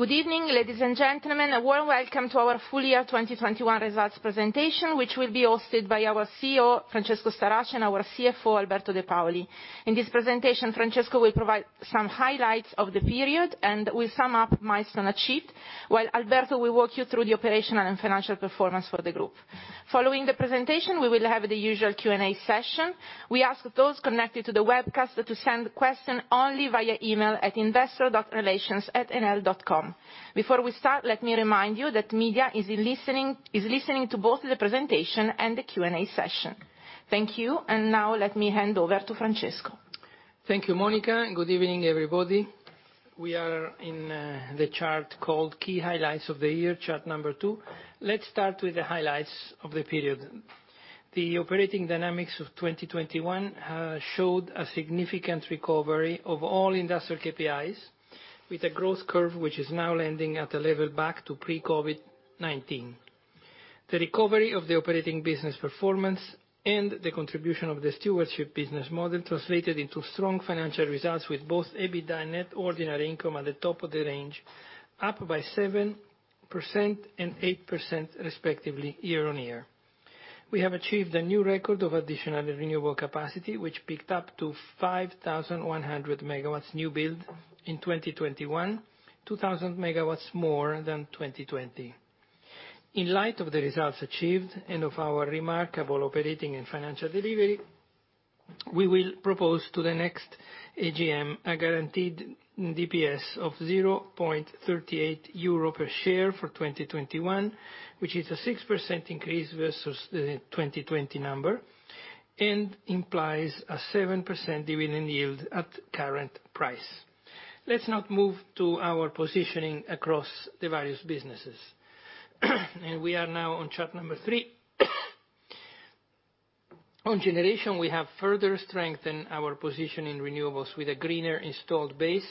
Good evening, ladies and gentlemen, and a warm welcome to our full year 2021 results presentation, which will be hosted by our CEO, Francesco Starace, and our CFO, Alberto De Paoli. In this presentation, Francesco will provide some highlights of the period and will sum up milestones achieved, while Alberto will walk you through the operational and financial performance for the group. Following the presentation, we will have the usual Q&A session. We ask those connected to the webcast to send questions only via email at investor.relations@enel.com. Before we start, let me remind you that media is listening to both the presentation and the Q&A session. Thank you, and now let me hand over to Francesco. Thank you, Monica. Good evening, everybody. We are in the chart called Key Highlights of the Year, chart number two. Let's start with the highlights of the period. The operating dynamics of 2021 showed a significant recovery of all industrial KPIs, with a growth curve which is now landing at a level back to pre-COVID-19. The recovery of the operating business performance and the contribution of the stewardship business model translated into strong financial results, with both EBITDA and net ordinary income at the top of the range up by 7% and 8%, respectively, year-on- year. We have achieved a new record of additional renewable capacity, which picked up to 5,100 MWs new build in 2021, 2,000 MWs more than 2020. In light of the results achieved and of our remarkable operating and financial delivery, we will propose to the next AGM a guaranteed DPS of 0.38 euro per share for 2021, which is a 6% increase versus the 2020 number and implies a 7% dividend yield at current price. Let's now move to our positioning across the various businesses. We are now on chart number three. On generation, we have further strengthened our position in renewables with a greener installed base,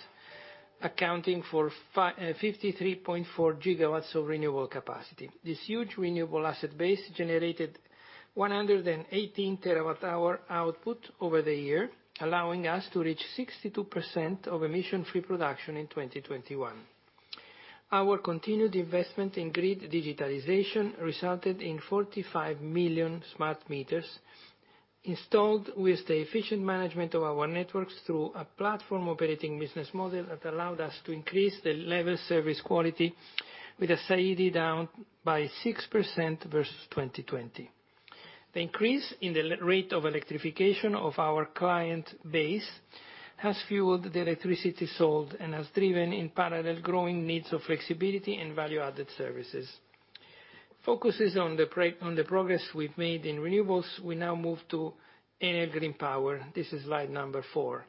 accounting for 53.4 GW of renewable capacity. This huge renewable asset base generated 118 TWh output over the year, allowing us to reach 62% of emission-free production in 2021. Our continued investment in grid digitalization resulted in 45 million smart meters installed, with the efficient management of our networks through a platform operating business model that allowed us to increase the level of service quality with a CID down by 6% versus 2020. The increase in the rate of electrification of our client base has fueled the electricity sold and has driven, in parallel, growing needs of flexibility and value-added services. Focusing on the progress we've made in renewables, we now move to Enel Green Power. This is slide number four.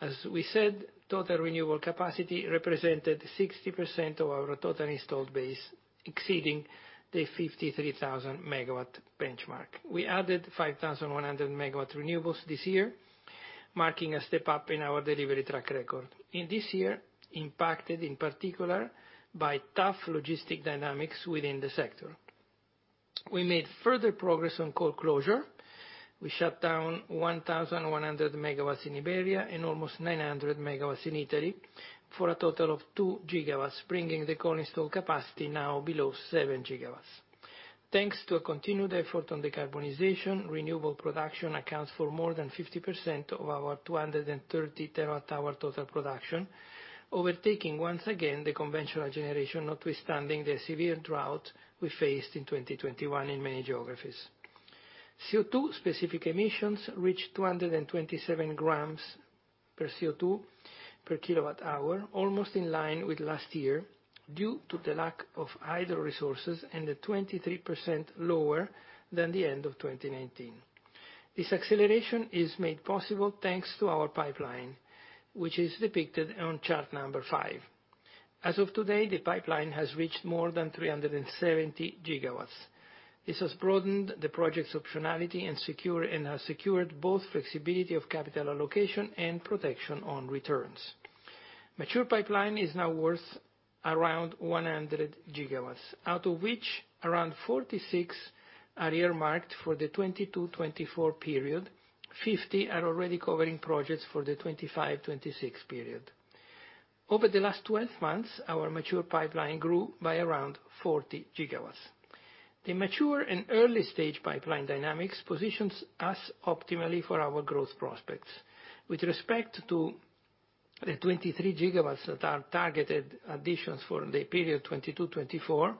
As we said, total renewable capacity represented 60% of our total installed base, exceeding the 53,000 MW benchmark. We added 5,100 MW renewables this year, marking a step up in our delivery track record. In this year, impacted in particular by tough logistic dynamics within the sector, we made further progress on coal closure. We shut down 1,100 MWs in Iberia and almost 900 MWs in Italy for a total of 2 GWs, bringing the coal installed capacity now below 7 GWs. Thanks to a continued effort on decarbonization, renewable production accounts for more than 50% of our 230 TWh total production, overtaking once again the conventional generation, notwithstanding the severe drought we faced in 2021 in many geographies. CO2-specific emissions reached 227g of CO2 per KWh, almost in line with last year due to the lack of idle resources and 23% lower than the end of 2019. This acceleration is made possible thanks to our pipeline, which is depicted on chart number five. As of today, the pipeline has reached more than 370 GWs. This has broadened the project's optionality and has secured both flexibility of capital allocation and protection on returns. Mature pipeline is now worth around 100 GWs, out of which around 46 are earmarked for the 2022-2024 period. 50 are already covering projects for the 2025-2026 period. Over the last 12 months, our mature pipeline grew by around 40 GWs. The mature and early-stage pipeline dynamics positions us optimally for our growth prospects. With respect to the 23 GWs that are targeted additions for the period 2022-2024,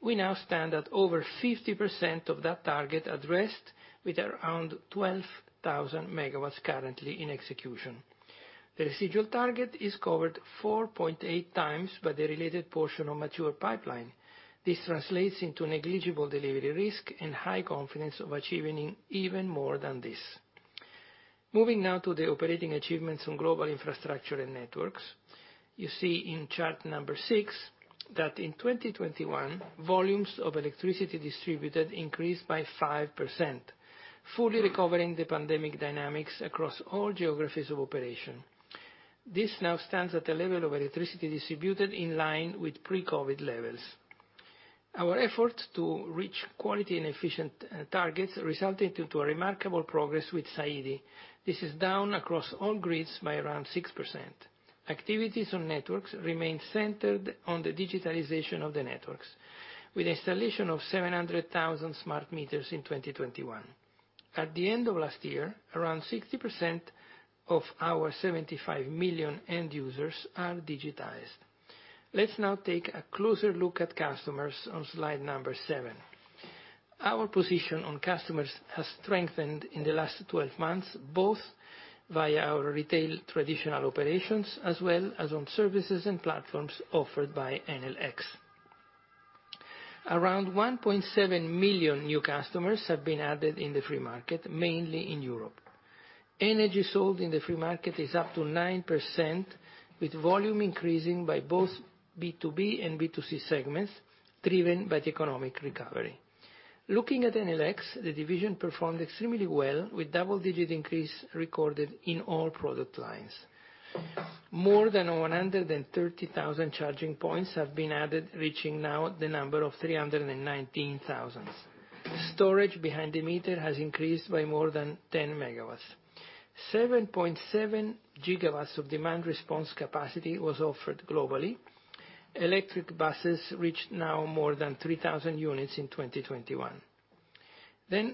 we now stand at over 50% of that target addressed with around 12,000 MWs currently in execution. The residual target is covered 4.8x by the related portion of mature pipeline. This translates into negligible delivery risk and high confidence of achieving even more than this. Moving now to the operating achievements on global infrastructure and networks, you see in chart number six that in 2021, volumes of electricity distributed increased by 5%, fully recovering the pandemic dynamics across all geographies of operation. This now stands at a level of electricity distributed in line with pre-COVID levels. Our efforts to reach quality and efficient targets resulted into a remarkable progress with CID. This is down across all grids by around 6%. Activities on networks remain centered on the digitalization of the networks, with installation of 700,000 smart meters in 2021. At the end of last year, around 60% of our 75 million end users are digitized. Let's now take a closer look at customers on slide number seven. Our position on customers has strengthened in the last 12 months, both via our retail traditional operations as well as on services and platforms offered by Enel X. Around 1.7 million new customers have been added in the free market, mainly in Europe. Energy sold in the free market is up to 9%, with volume increasing by both B2B and B2C segments, driven by the economic recovery. Looking at Enel X, the division performed extremely well, with double-digit increase recorded in all product lines. More than 130,000 charging points have been added, reaching now the number of 319,000. Storage behind the meter has increased by more than 10MWs. 7.7 GWs of demand response capacity was offered globally. Electric buses reached now more than 3,000 units in 2021.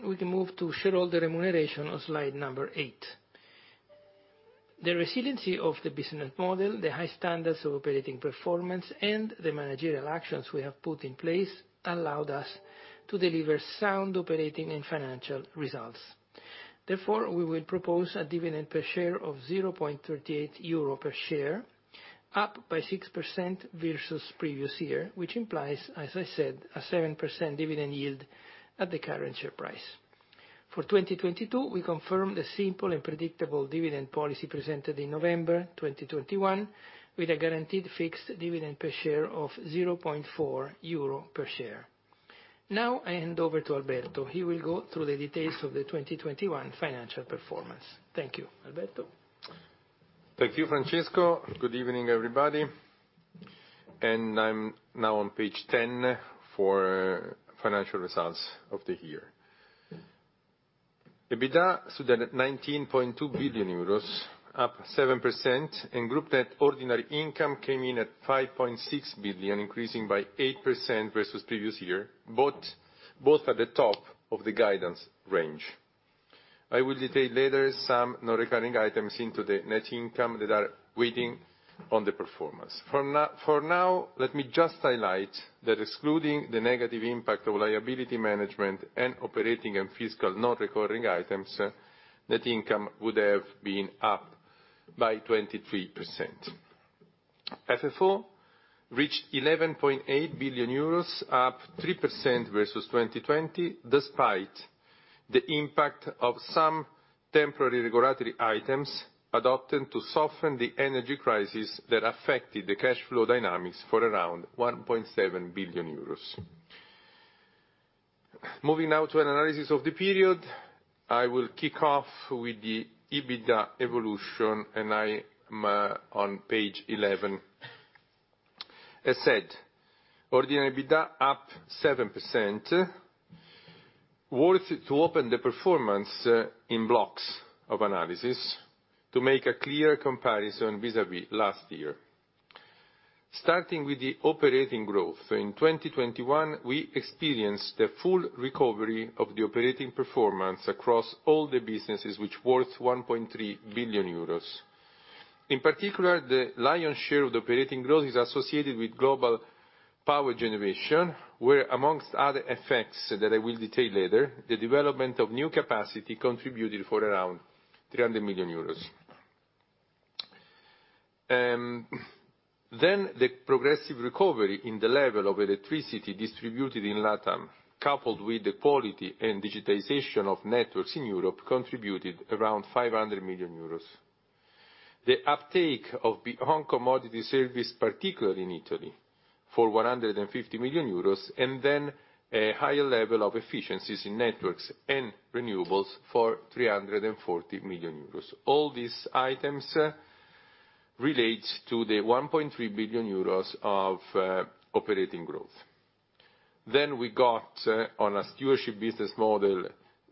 We can move to shareholder remuneration on slide number eight. The resiliency of the business model, the high standards of operating performance, and the managerial actions we have put in place allowed us to deliver sound operating and financial results. Therefore, we will propose a dividend per share of 0.38 euro per share, up by 6% versus previous year, which implies, as I said, a 7% dividend yield at the current share price. For 2022, we confirmed a simple and predictable dividend policy presented in November 2021, with a guaranteed fixed dividend per share of 0.4 euro per share. Now I hand over to Alberto. He will go through the details of the 2021 financial performance. Thank you, Alberto. Thank you, Francesco. Good evening, everybody. I am now on page 10 for financial results of the year. EBITDA stood at 19.2 billion euros, up 7%, and group net ordinary income came in at 5.6 billion, increasing by 8% versus previous year, both at the top of the guidance range. I will detail later some non-recurring items into the net income that are weighing on the performance. For now, let me just highlight that excluding the negative impact of liability management and operating and fiscal non-recurring items, net income would have been up by 23%. FFO reached 11.8 billion euros, up 3% versus 2020, despite the impact of some temporary regulatory items adopted to soften the energy crisis that affected the cash flow dynamics for around 1.7 billion euros. Moving now to an analysis of the period, I will kick off with the EBITDA evolution, and I am on page 11. As said, ordinary EBITDA up 7%, worth to open the performance in blocks of analysis to make a clear comparison vis-à-vis last year. Starting with the operating growth, in 2021, we experienced the full recovery of the operating performance across all the businesses, which worth 1.3 billion euros. In particular, the lion's share of the operating growth is associated with global power generation, where, amongst other effects that I will detail later, the development of new capacity contributed for around 300 million euros. The progressive recovery in the level of electricity distributed in LATAM, coupled with the quality and digitization of networks in Europe, contributed around 500 million euros. The uptake of beyond commodity service, particularly in Italy, for 150 million euros, and a higher level of efficiencies in networks and renewables for 340 million euros. All these items relate to the 1.3 billion euros of operating growth. We got, on a stewardship business model,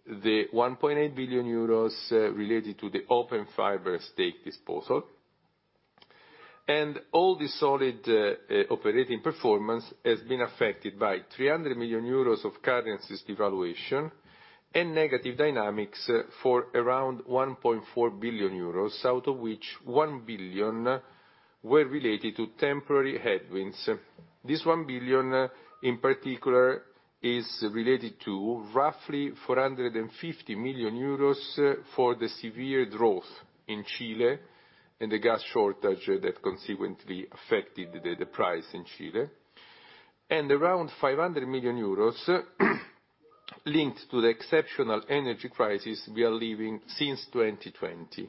the 1.8 billion euros related to the Open Fiber stake disposal. All this solid operating performance has been affected by 300 million euros of currency devaluation and negative dynamics for around 1.4 billion euros, out of which 1 billion were related to temporary headwinds. This 1 billion, in particular, is related to roughly 450 million euros for the severe drought in Chile and the gas shortage that consequently affected the price in Chile. Around 500 million euros are linked to the exceptional energy crisis we are living since 2020.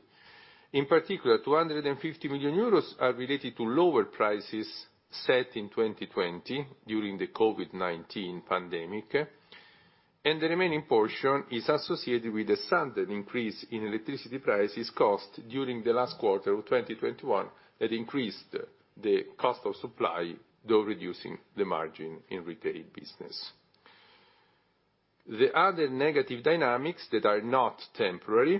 In particular, 250 million euros are related to lower prices set in 2020 during the COVID-19 pandemic. The remaining portion is associated with a sudden increase in electricity prices cost during the last quarter of 2021 that increased the cost of supply, though reducing the margin in retail business. The other negative dynamics that are not temporary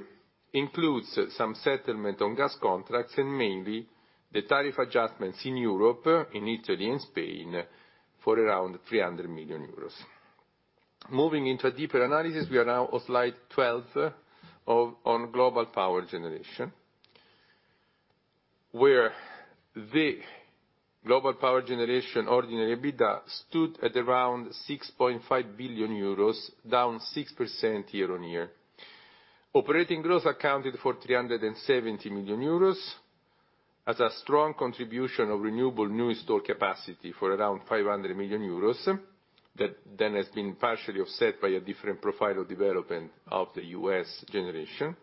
include some settlement on gas contracts and mainly the tariff adjustments in Europe, in Italy, and Spain for around 300 million euros. Moving into a deeper analysis, we are now on slide 12 on global power generation, where the global power generation ordinary EBITDA stood at around 6.5 billion euros, down 6% year-on-year. Operating growth accounted for 370 million euros as a strong contribution of renewable new installed capacity for around 500 million euros that then has been partially offset by a different profile of development of the U.S. generation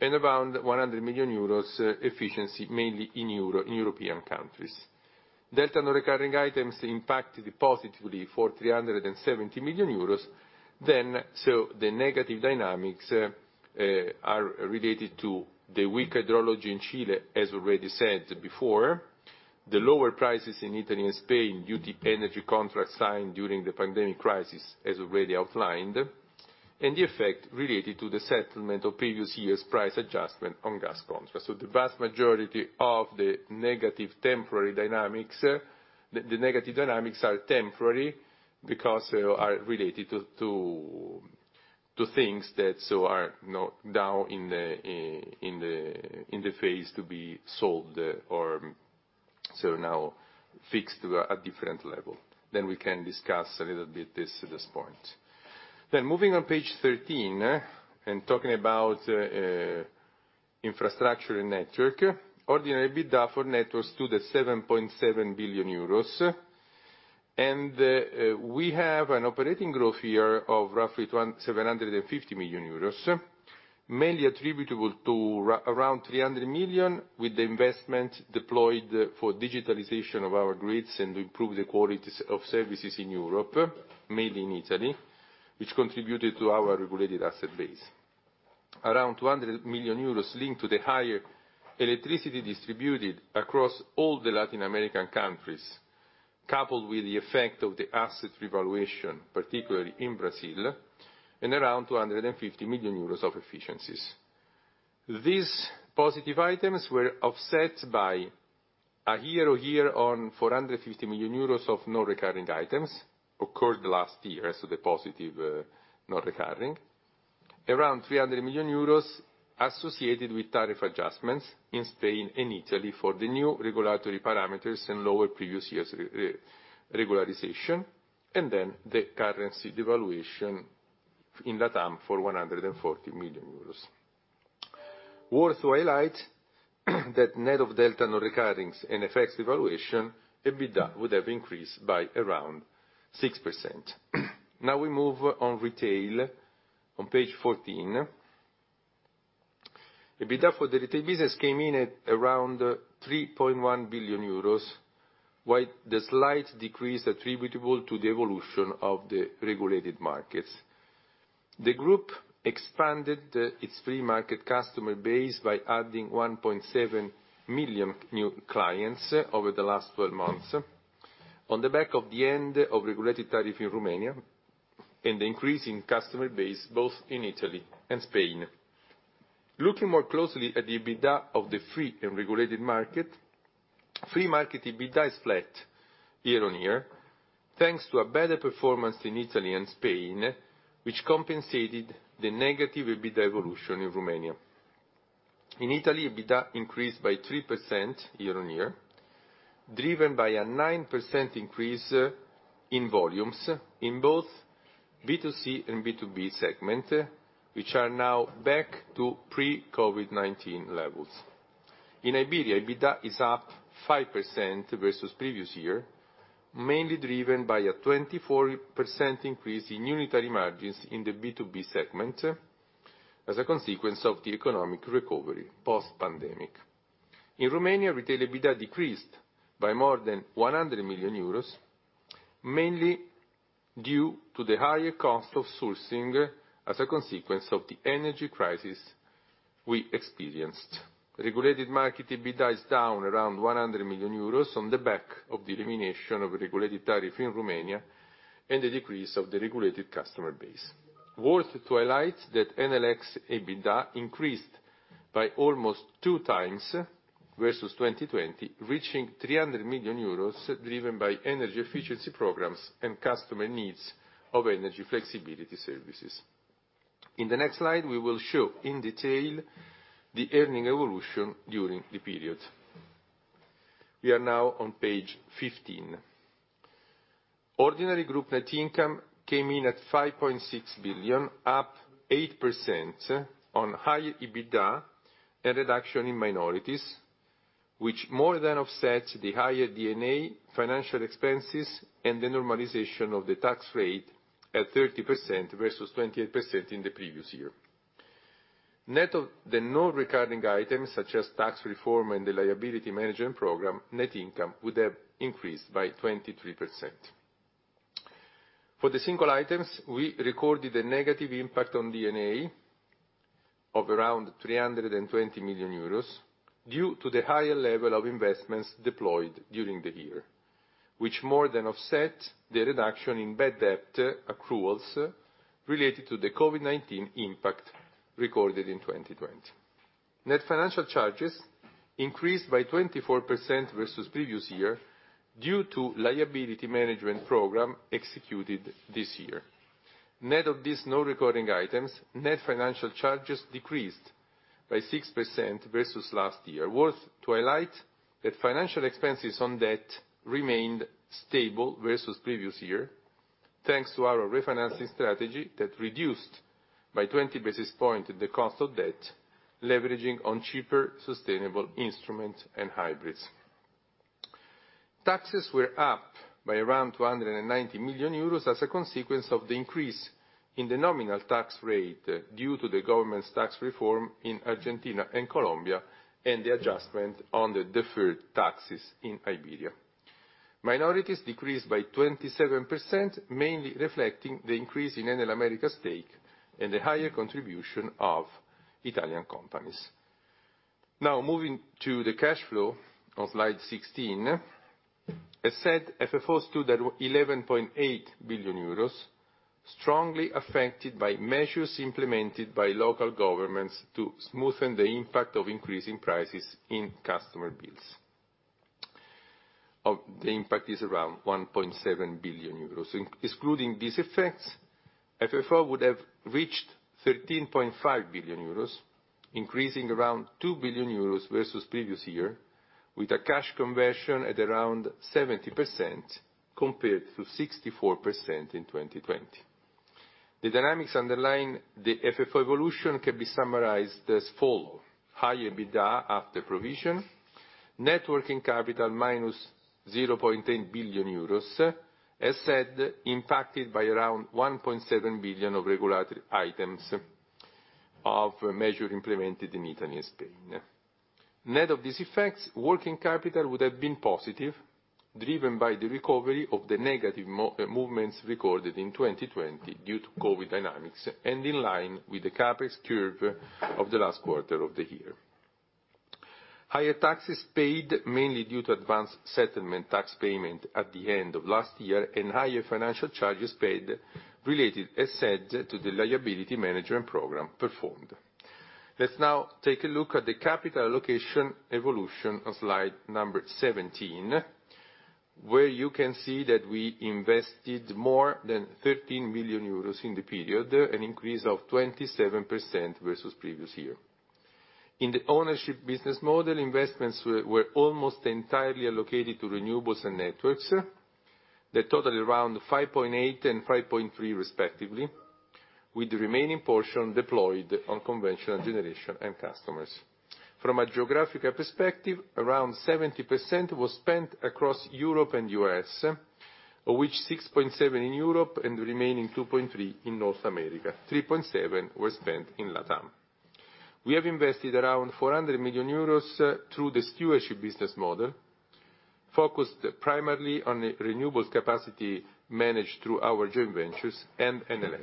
and around 100 million euros efficiency, mainly in European countries. Delta non-recurring items impacted positively for 370 million euros. The negative dynamics are related to the weak hydrology in Chile, as already said before, the lower prices in Italy and Spain due to energy contracts signed during the pandemic crisis, as already outlined, and the effect related to the settlement of previous year's price adjustment on gas contracts. The vast majority of the negative temporary dynamics, the negative dynamics are temporary because they are related to things that are now in the phase to be sold or now fixed to a different level. We can discuss a little bit this at this point. Moving on page 13 and talking about infrastructure and network, ordinary EBITDA for networks stood at 7.7 billion euros. We have an operating growth here of roughly 750 million euros, mainly attributable to around 300 million with the investment deployed for digitalization of our grids and to improve the quality of services in Europe, mainly in Italy, which contributed to our regulated asset base. Around 200 million euros linked to the higher electricity distributed across all the Latin American countries, coupled with the effect of the asset revaluation, particularly in Brazil, and around 250 million euros of efficiencies. These positive items were offset by a year-over-year on 450 million euros of non-recurring items occurred last year, so the positive non-recurring. Around 300 million euros associated with tariff adjustments in Spain and Italy for the new regulatory parameters and lower previous year's regularization, and the currency devaluation in LATAM for 140 million euros. Worth to highlight that net of delta non-recurring and effects devaluation, EBITDA would have increased by around 6%. Now we move on retail on page 14. EBITDA for the retail business came in at around 3.1 billion euros, while the slight decrease attributable to the evolution of the regulated markets. The group expanded its free market customer base by adding 1.7 million new clients over the last 12 months on the back of the end of regulated tariff in Romania and the increase in customer base both in Italy and Spain. Looking more closely at the EBITDA of the free and regulated market, free market EBITDA is flat year-on-year, thanks to a better performance in Italy and Spain, which compensated the negative EBITDA evolution in Romania. In Italy, EBITDA increased by 3% year-on-year, driven by a 9% increase in volumes in both B2C and B2B segment, which are now back to pre-COVID-19 levels. In Iberia, EBITDA is up 5% versus previous year, mainly driven by a 24% increase in unitary margins in the B2B segment as a consequence of the economic recovery post-pandemic. In Romania, retail EBITDA decreased by more than 100 million euros, mainly due to the higher cost of sourcing as a consequence of the energy crisis we experienced. Regulated market EBITDA is down around 100 million euros on the back of the elimination of regulated tariff in Romania and the decrease of the regulated customer base. Worth to highlight that Enel X EBITDA increased by almost 2x versus 2020, reaching 300 million euros driven by energy efficiency programs and customer needs of energy flexibility services. In the next slide, we will show in detail the earning evolution during the period. We are now on page 15. Ordinary group net income came in at 5.6 billion, up 8% on higher EBITDA and reduction in minorities, which more than offsets the higher DNA financial expenses and the normalization of the tax rate at 30% versus 28% in the previous year. Net of the non-recurring items, such as tax reform and the liability management program, net income would have increased by 23%. For the single items, we recorded a negative impact on DNA of around 320 million euros due to the higher level of investments deployed during the year, which more than offset the reduction in bad debt accruals related to the COVID-19 impact recorded in 2020. Net financial charges increased by 24% versus previous year due to liability management program executed this year. Net of these non-recurring items, net financial charges decreased by 6% versus last year. Worth to highlight that financial expenses on debt remained stable versus previous year, thanks to our refinancing strategy that reduced by 20 basis points the cost of debt, leveraging on cheaper sustainable instruments and hybrids. Taxes were up by around 290 million euros as a consequence of the increase in the nominal tax rate due to the government's tax reform in Argentina and Colombia and the adjustment on the deferred taxes in Iberia. Minorities decreased by 27%, mainly reflecting the increase in Enel Américas' stake and the higher contribution of Italian companies. Now moving to the cash flow on slide 16, as said, FFO stood at 11.8 billion euros, strongly affected by measures implemented by local governments to smoothen the impact of increasing prices in customer bills. The impact is around 1.7 billion euros. Excluding these effects, FFO would have reached 13.5 billion euros, increasing around 2 billion euros versus previous year, with a cash conversion at around 70% compared to 64% in 2020. The dynamics underlying the FFO evolution can be summarized as follows: higher EBITDA after provision, networking capital - 0.10 billion euros, as said, impacted by around 1.7 billion of regulatory items of measures implemented in Italy and Spain. Net of these effects, working capital would have been positive, driven by the recovery of the negative movements recorded in 2020 due to COVID dynamics and in line with the CapEx curve of the last quarter of the year. Higher taxes paid, mainly due to advanced settlement tax payment at the end of last year, and higher financial charges paid related, as said, to the liability management program performed. Let's now take a look at the capital allocation evolution on slide number 17, where you can see that we invested more than 13 billion euros in the period, an increase of 27% versus previous year. In the ownership business model, investments were almost entirely allocated to renewables and networks, the total around 5.8 billion and 5.3 billion respectively, with the remaining portion deployed on conventional generation and customers. From a geographical perspective, around 70% was spent across Europe and U.S., of which 6.7 billion in Europe and the remaining 2.3 billion in North America. 3.7 billion were spent in LATAM. We have invested around 400 million euros through the stewardship business model, focused primarily on the renewables capacity managed through our joint ventures and Enel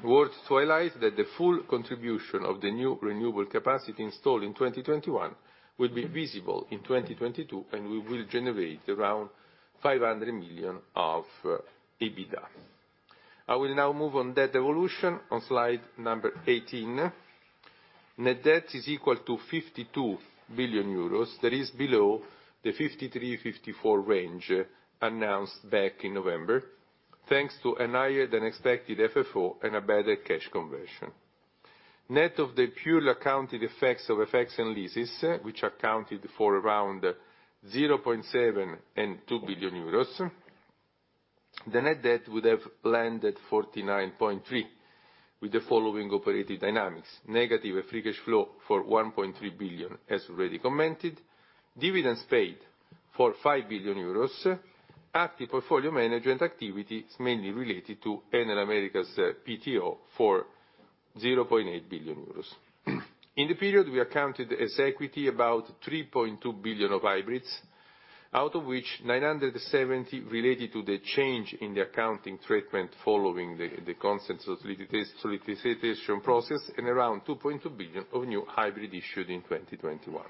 X. Worth to highlight that the full contribution of the new renewable capacity installed in 2021 will be visible in 2022, and we will generate around 500 million of EBITDA. I will now move on debt evolution on slide number 18. Net debt is equal to 52 billion euros. That is below the 53-54 billion range announced back in November, thanks to a higher than expected FFO and a better cash conversion. Net of the purely accounted effects of FX and leases, which accounted for around 0.7 billion and 2 billion euros, the net debt would have landed at 49.3 billion with the following operating dynamics: negative free cash flow for 1.3 billion, as already commented, dividends paid for 5 billion euros, active portfolio management activities mainly related to Enel Américas PTO for 0.8 billion euros. In the period, we accounted as equity about 3.2 billion of hybrids, out of which 970 million related to the change in the accounting treatment following the consensus solicitation process and around 2.2 billion of new hybrids issued in 2021.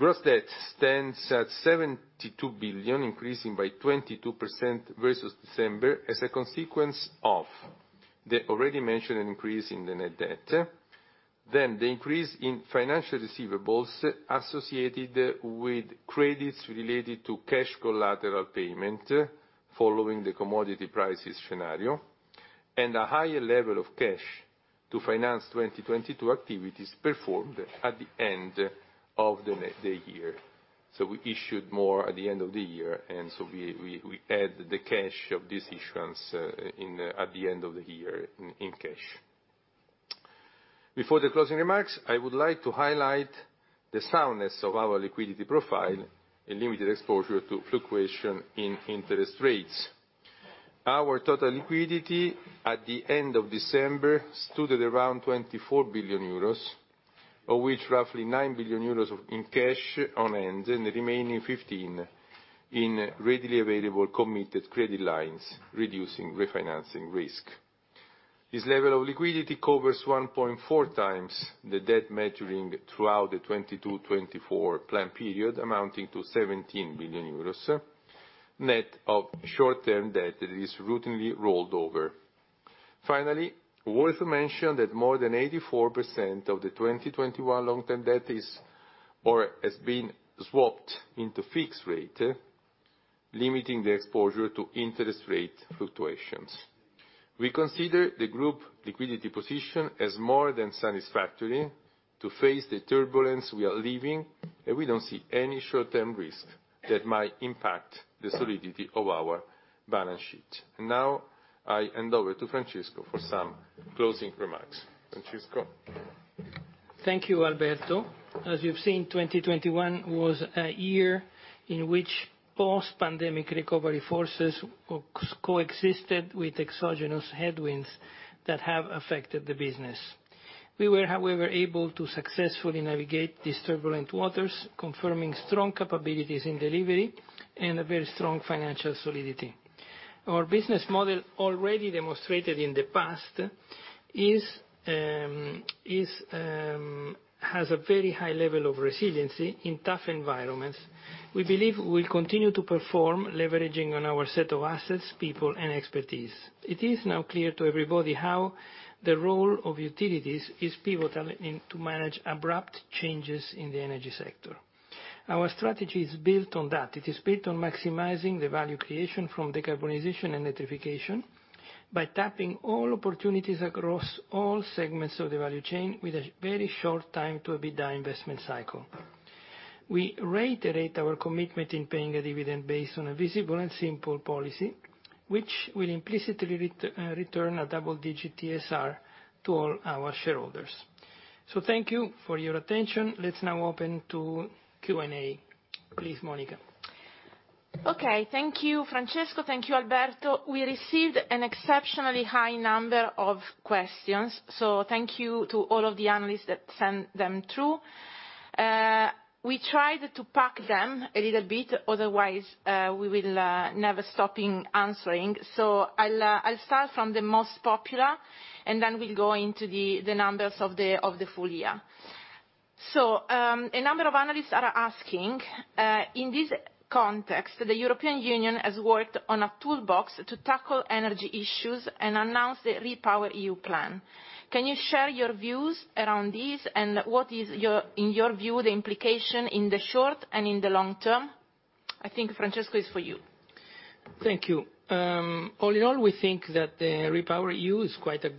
Gross debt stands at 72 billion, increasing by 22% versus December as a consequence of the already mentioned increase in the net debt, the increase in financial receivables associated with credits related to cash collateral payment following the commodity prices scenario, and a higher level of cash to finance 2022 activities performed at the end of the year. We issued more at the end of the year, and we add the cash of this issuance at the end of the year in cash. Before the closing remarks, I would like to highlight the soundness of our liquidity profile and limited exposure to fluctuation in interest rates. Our total liquidity at the end of December stood at around 24 billion euros, of which roughly 9 billion euros in cash on hand and the remaining 15 billion in readily available committed credit lines, reducing refinancing risk. This level of liquidity covers 1.4x the debt maturing throughout the 2022-2024 plan period, amounting to 17 billion euros, net of short-term debt that is routinely rolled over. Finally, worth to mention that more than 84% of the 2021 long-term debt is or has been swapped into fixed rate, limiting the exposure to interest rate fluctuations. We consider the group liquidity position as more than satisfactory to face the turbulence we are living, and we do not see any short-term risk that might impact the solidity of our balance sheet. Now I hand over to Francesco for some closing remarks. Francesco. Thank you, Alberto. As you've seen, 2021 was a year in which post-pandemic recovery forces coexisted with exogenous headwinds that have affected the business. We were, however, able to successfully navigate these turbulent waters, confirming strong capabilities in delivery and a very strong financial solidity. Our business model, already demonstrated in the past, has a very high level of resiliency in tough environments. We believe we will continue to perform, leveraging on our set of assets, people, and expertise. It is now clear to everybody how the role of utilities is pivotal to manage abrupt changes in the energy sector. Our strategy is built on that. It is built on maximizing the value creation from decarbonization and electrification by tapping all opportunities across all segments of the value chain with a very short time to a bid-by investment cycle. We reiterate our commitment in paying a dividend based on a visible and simple policy, which will implicitly return a double-digit TSR to all our shareholders. Thank you for your attention. Let's now open to Q&A. Please, Monica. Thank you, Francesco. Thank you, Alberto. We received an exceptionally high number of questions, so thank you to all of the analysts that sent them through. We tried to pack them a little bit; otherwise, we will never stop answering. I'll start from the most popular, and then we'll go into the numbers of the full year. A number of analysts are asking, in this context, the European Union has worked on a toolbox to tackle energy issues and announced the REPowerEU plan. Can you share your views around these, and what is, in your view, the implication in the short and in the long term?I think Francesco is for you. Thank you. All in all, we think that the REPowerEU is quite a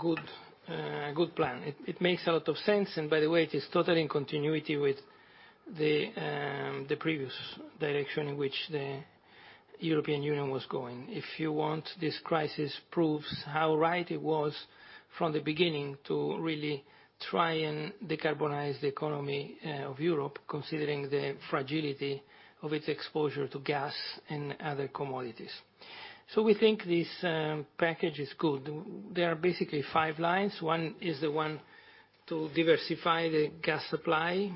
good plan. It makes a lot of sense, and by the way, it is totally in continuity with the previous direction in which the European Union was going. If you want, this crisis proves how right it was from the beginning to really try and decarbonize the economy of Europe, considering the fragility of its exposure to gas and other commodities. We think this package is good. There are basically five lines. One is the one to diversify the gas supply,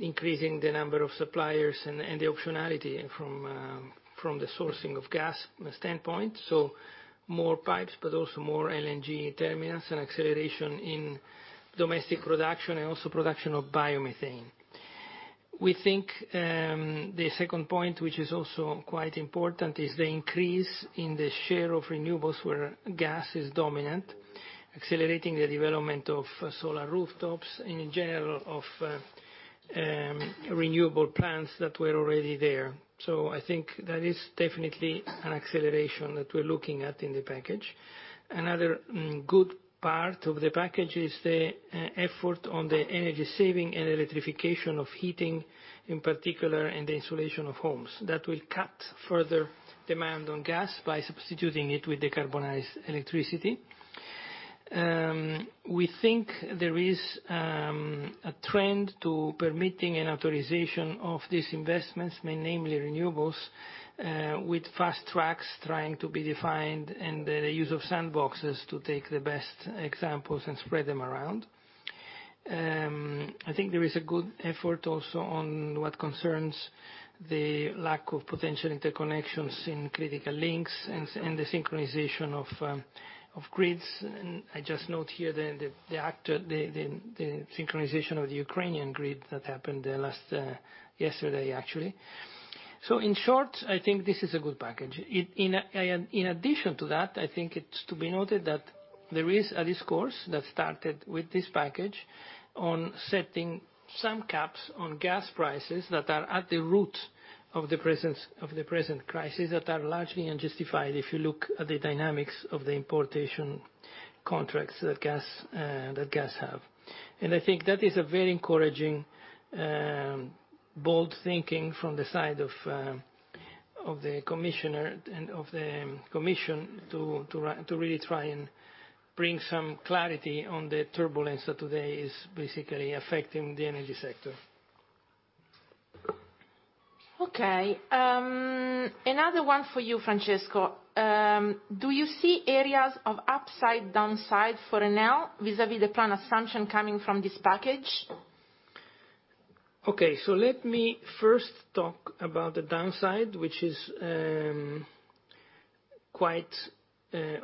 increasing the number of suppliers and the optionality from the sourcing of gas standpoint, so more pipes, but also more LNG terminals and acceleration in domestic production and also production of biomethane. We think the second point, which is also quite important, is the increase in the share of renewables where gas is dominant, accelerating the development of solar rooftops and, in general, of renewable plants that were already there. I think that is definitely an acceleration that we're looking at in the package. Another good part of the package is the effort on the energy saving and electrification of heating, in particular, and the insulation of homes. That will cut further demand on gas by substituting it with decarbonized electricity. We think there is a trend to permitting and authorization of these investments, mainly renewables, with fast tracks trying to be defined and the use of sandboxes to take the best examples and spread them around. I think there is a good effort also on what concerns the lack of potential interconnections in critical links and the synchronization of grids. I just note here the synchronization of the Ukrainian grid that happened yesterday, actually. In short, I think this is a good package. In addition to that, I think it is to be noted that there is a discourse that started with this package on setting some caps on gas prices that are at the root of the present crisis that are largely unjustified if you look at the dynamics of the importation contracts that gas have. I think that is a very encouraging, bold thinking from the side of the commissioner and of the commission to really try and bring some clarity on the turbulence that today is basically affecting the energy sector. Okay. Another one for you, Francesco. Do you see areas of upside, downside for Enel vis-à-vis the plan assumption coming from this package? Okay. Let me first talk about the downside, which is quite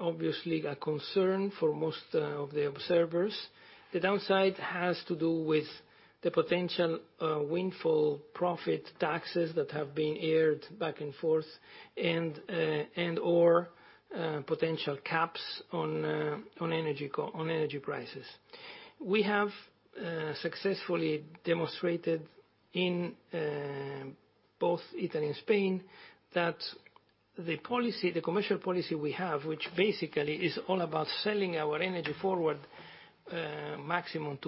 obviously a concern for most of the observers. The downside has to do with the potential windfall profit taxes that have been aired back and forth and/or potential caps on energy prices. We have successfully demonstrated in both Italy and Spain that the commercial policy we have, which basically is all about selling our energy forward maximum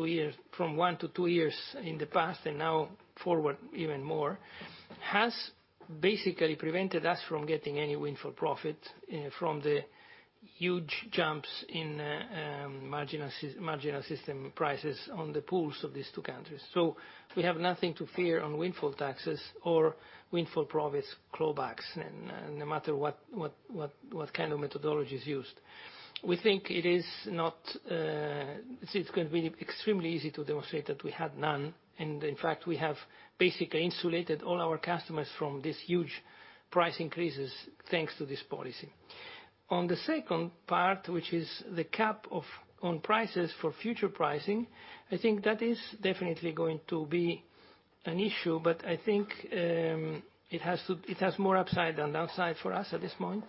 from one years- two years in the past and now forward even more, has basically prevented us from getting any windfall profit from the huge jumps in marginal system prices on the pools of these two countries. We have nothing to fear on windfall taxes or windfall profits clawbacks, no matter what kind of methodology is used. We think it is not going to be extremely easy to demonstrate that we had none. In fact, we have basically insulated all our customers from these huge price increases thanks to this policy. On the second part, which is the cap on prices for future pricing, I think that is definitely going to be an issue, but I think it has more upside than downside for us at this point,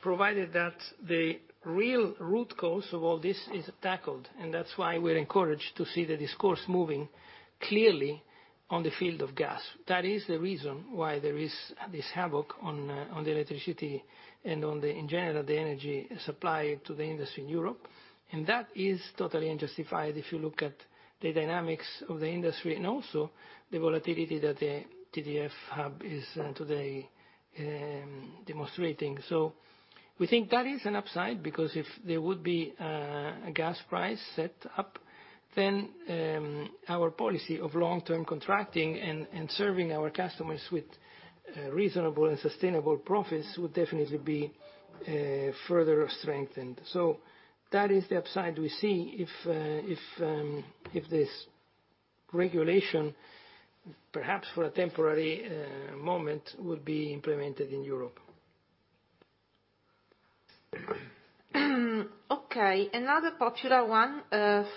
provided that the real root cause of all this is tackled. That is why we're encouraged to see the discourse moving clearly on the field of gas. That is the reason why there is this havoc on the electricity and, in general, the energy supply to the industry in Europe. That is totally unjustified if you look at the dynamics of the industry and also the volatility that the TTF hub is today demonstrating. We think that is an upside because if there would be a gas price set up, then our policy of long-term contracting and serving our customers with reasonable and sustainable profits would definitely be further strengthened. That is the upside we see if this regulation, perhaps for a temporary moment, would be implemented in Europe. Okay. Another popular one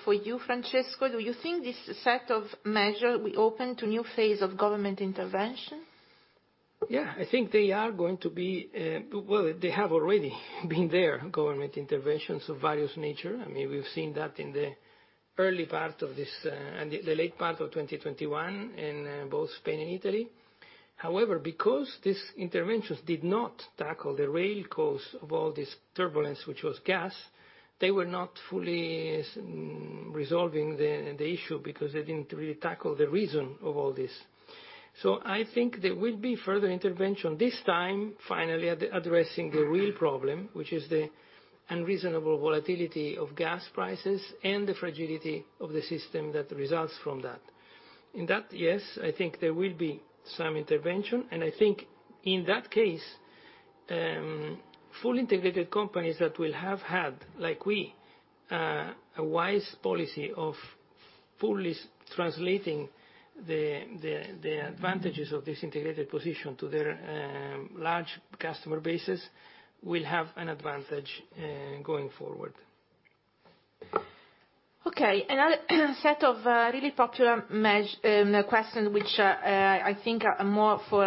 for you, Francesco. Do you think this set of measures will open to a new phase of government intervention? Yeah. I think they are going to be, well, they have already been there, government interventions of various nature. I mean, we've seen that in the early part of this and the late part of 2021 in both Spain and Italy. However, because these interventions did not tackle the real cause of all this turbulence, which was gas, they were not fully resolving the issue because they did not really tackle the reason of all this. I think there will be further intervention this time, finally addressing the real problem, which is the unreasonable volatility of gas prices and the fragility of the system that results from that. In that, yes, I think there will be some intervention. I think in that case, fully integrated companies that will have had, like we, a wise policy of fully translating the advantages of this integrated position to their large customer bases will have an advantage going forward. Okay. Another set of really popular questions, which I think are more for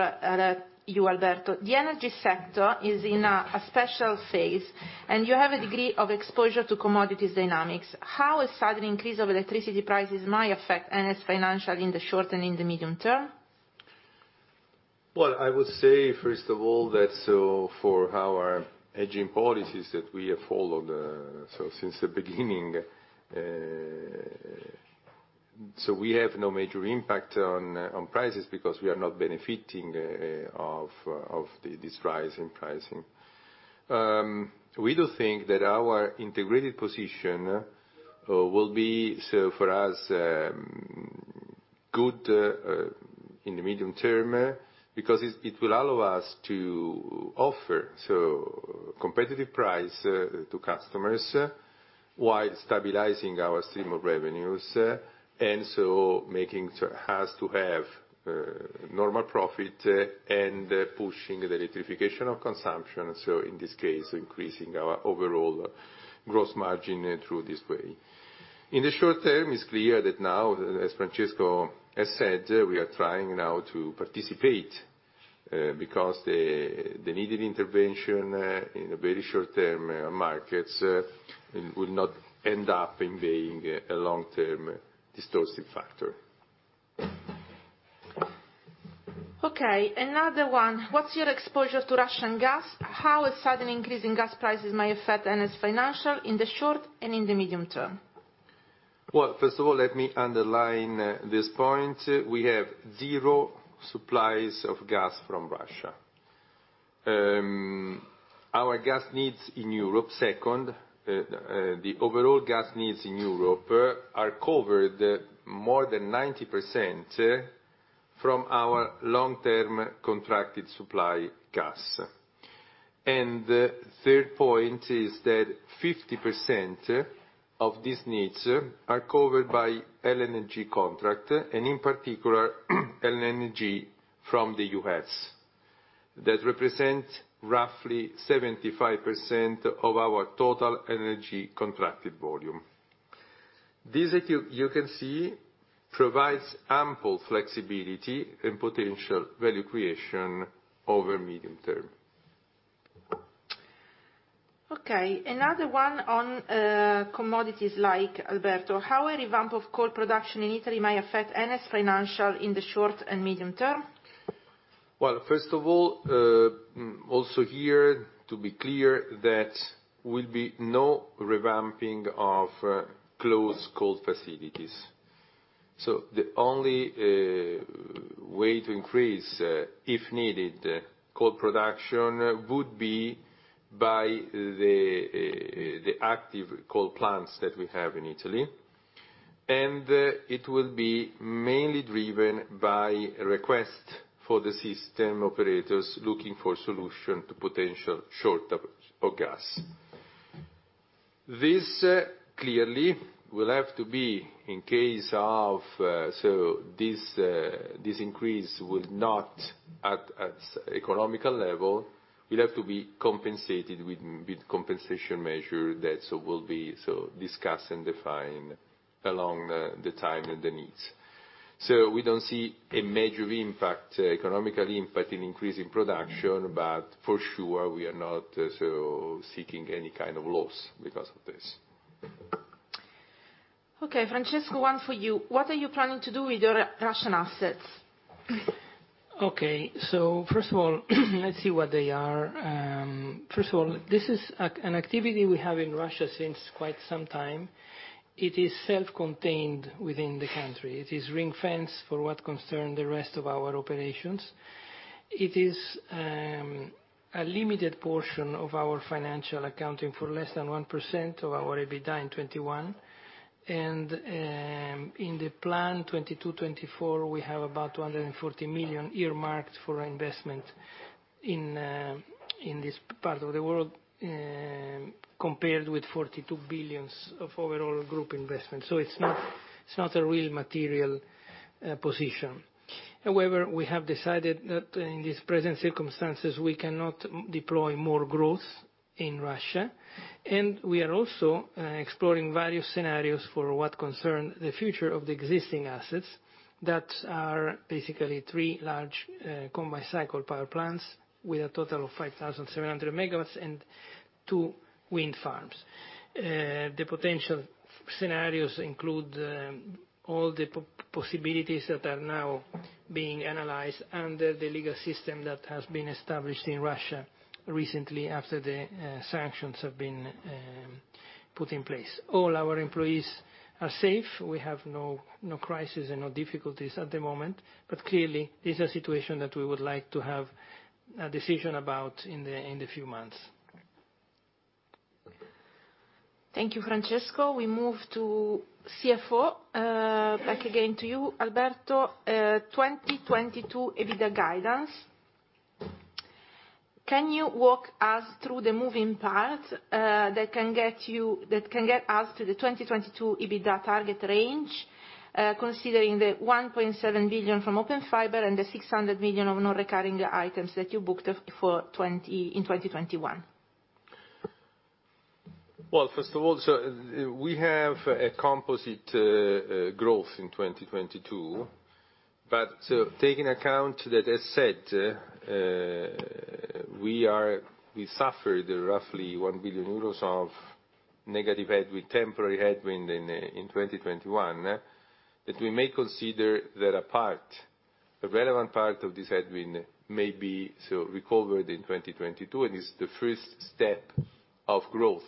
you, Alberto. The energy sector is in a special phase, and you have a degree of exposure to commodities dynamics. How a sudden increase of electricity prices might affect Enel's financial in the short and in the medium term? I would say, first of all, that for our hedging policies that we have followed since the beginning, we have no major impact on prices because we are not benefiting of this rise in pricing. We do think that our integrated position will be, for us, good in the medium term because it will allow us to offer competitive prices to customers while stabilizing our stream of revenues and making us to have normal profit and pushing the electrification of consumption. In this case, increasing our overall gross margin through this way. In the short term, it's clear that now, as Francesco has said, we are trying now to participate because the needed intervention in a very short-term market will not end up in being a long-term distortive factor. Okay. Another one. What's your exposure to Russian gas? How a sudden increase in gas prices might affect Enel's financial in the short and in the medium term? First of all, let me underline this point. We have zero supplies of gas from Russia. Our gas needs in Europe, second, the overall gas needs in Europe are covered more than 90% from our long-term contracted supply gas. The third point is that 50% of these needs are covered by LNG contract, and in particular, LNG from the U.S. that represents roughly 75% of our total energy contracted volume. This, as you can see, provides ample flexibility and potential value creation over medium term. Okay. Another one on commodities like Alberto. How a revamp of coal production in Italy might affect Enel's financial in the short and medium term? First of all, also here, to be clear, there will be no revamping of closed coal facilities. The only way to increase, if needed, coal production would be by the active coal plants that we have in Italy. It will be mainly driven by requests for the system operators looking for a solution to potential short of gas. This, clearly, will have to be in case of so this increase will not, at economical level, will have to be compensated with compensation measures that will be discussed and defined along the time and the needs. We do not see a major economic impact in increasing production, but for sure, we are not seeking any kind of loss because of this. Okay. Francesco, one for you. What are you planning to do with your Russian assets? Okay. First of all, let's see what they are. First of all, this is an activity we have in Russia since quite some time. It is self-contained within the country. It is ring-fenced for what concerns the rest of our operations. It is a limited portion of our financial accounting for less than 1% of our EBITDA in 2021. In the plan 2022-2024, we have about 240 million earmarked for investment in this part of the world compared with 42 billion of overall group investment. It is not a real material position. However, we have decided that in these present circumstances, we cannot deploy more growth in Russia. We are also exploring various scenarios for what concerns the future of the existing assets that are basically three large combined cycle power plants with a total of 5,700 MWs and two wind farms. The potential scenarios include all the possibilities that are now being analyzed under the legal system that has been established in Russia recently after the sanctions have been put in place. All our employees are safe. We have no crisis and no difficulties at the moment. Clearly, this is a situation that we would like to have a decision about in the few months. Thank you, Francesco. We move to CFO. Back again to you, Alberto. 2022 EBITDA guidance. Can you walk us through the moving parts that can get us to the 2022 EBITDA target range, considering the 1.7 billion from Open Fiber and the 600 million of non-recurring items that you booked in 2021? First of all, we have a composite growth in 2022. Taking account that, as said, we suffered roughly 1 billion euros of negative headwind, temporary headwind in 2021, we may consider that a part, a relevant part of this headwind may be recovered in 2022. It is the first step of growth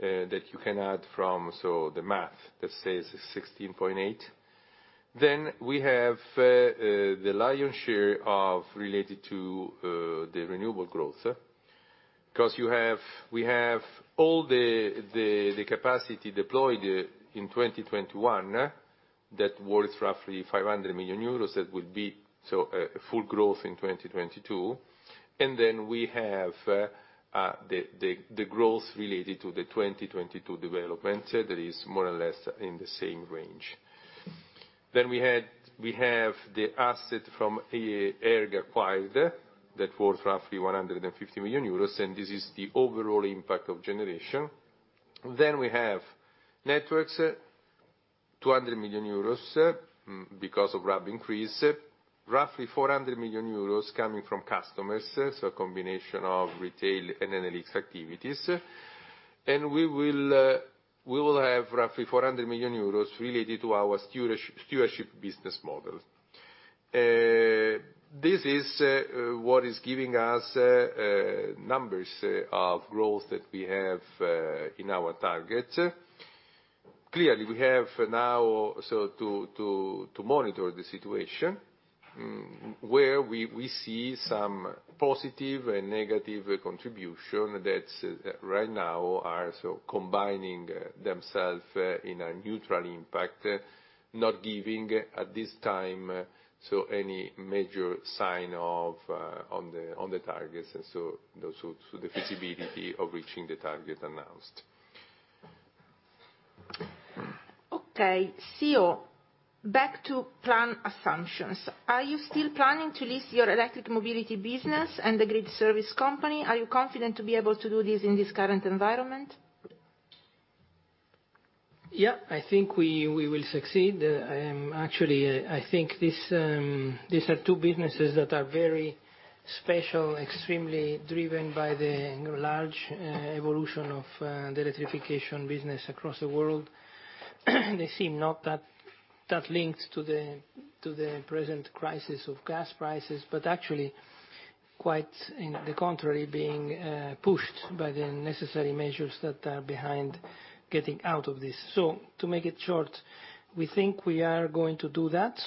that you can add from the math that says 16.8. We have the lion's share related to the renewable growth because we have all the capacity deployed in 2021 that is worth roughly 500 million euros that will be a full growth in 2022. We have the growth related to the 2022 development that is more or less in the same range. We have the asset from ERG acquired that is worth roughly 150 million euros. This is the overall impact of generation. We have networks, 200 million euros because of RAB increase, roughly 400 million euros coming from customers, so a combination of retail and analytics activities. We will have roughly 400 million euros related to our stewardship business model. This is what is giving us numbers of growth that we have in our target. Clearly, we have now to monitor the situation where we see some positive and negative contribution that right now are combining themselves in a neutral impact, not giving at this time any major sign on the targets and the feasibility of reaching the target announced. Okay. CEO, back to plan assumptions. Are you still planning to list your electric mobility business and the grid service company? Are you confident to be able to do this in this current environment? Yeah. I think we will succeed. Actually, I think these are two businesses that are very special, extremely driven by the large evolution of the electrification business across the world. They seem not that linked to the present crisis of gas prices, but actually quite the contrary, being pushed by the necessary measures that are behind getting out of this. To make it short, we think we are going to do that.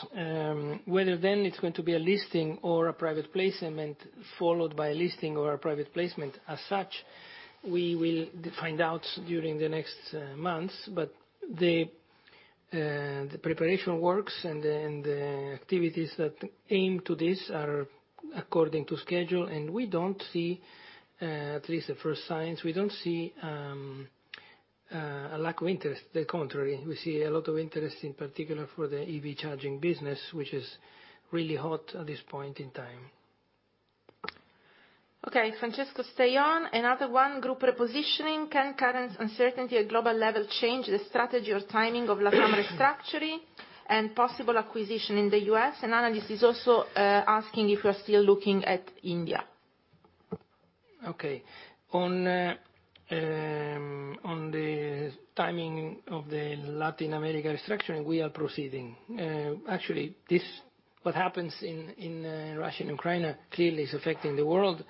Whether then it is going to be a listing or a private placement followed by a listing or a private placement as such, we will find out during the next months. The preparation works and the activities that aim to this are according to schedule. We do not see, at least the first signs, we do not see a lack of interest. On the contrary, we see a lot of interest, in particular for the EV charging business, which is really hot at this point in time. Okay. Francesco, stay on. Another one, group repositioning. Can current uncertainty at global level change the strategy or timing of Latam restructuring and possible acquisition in the U.S.? An analyst is also asking if we are still looking at India. Okay. On the timing of the Latin America restructuring, we are proceeding. Actually, what happens in Russia and Ukraine clearly is affecting the world,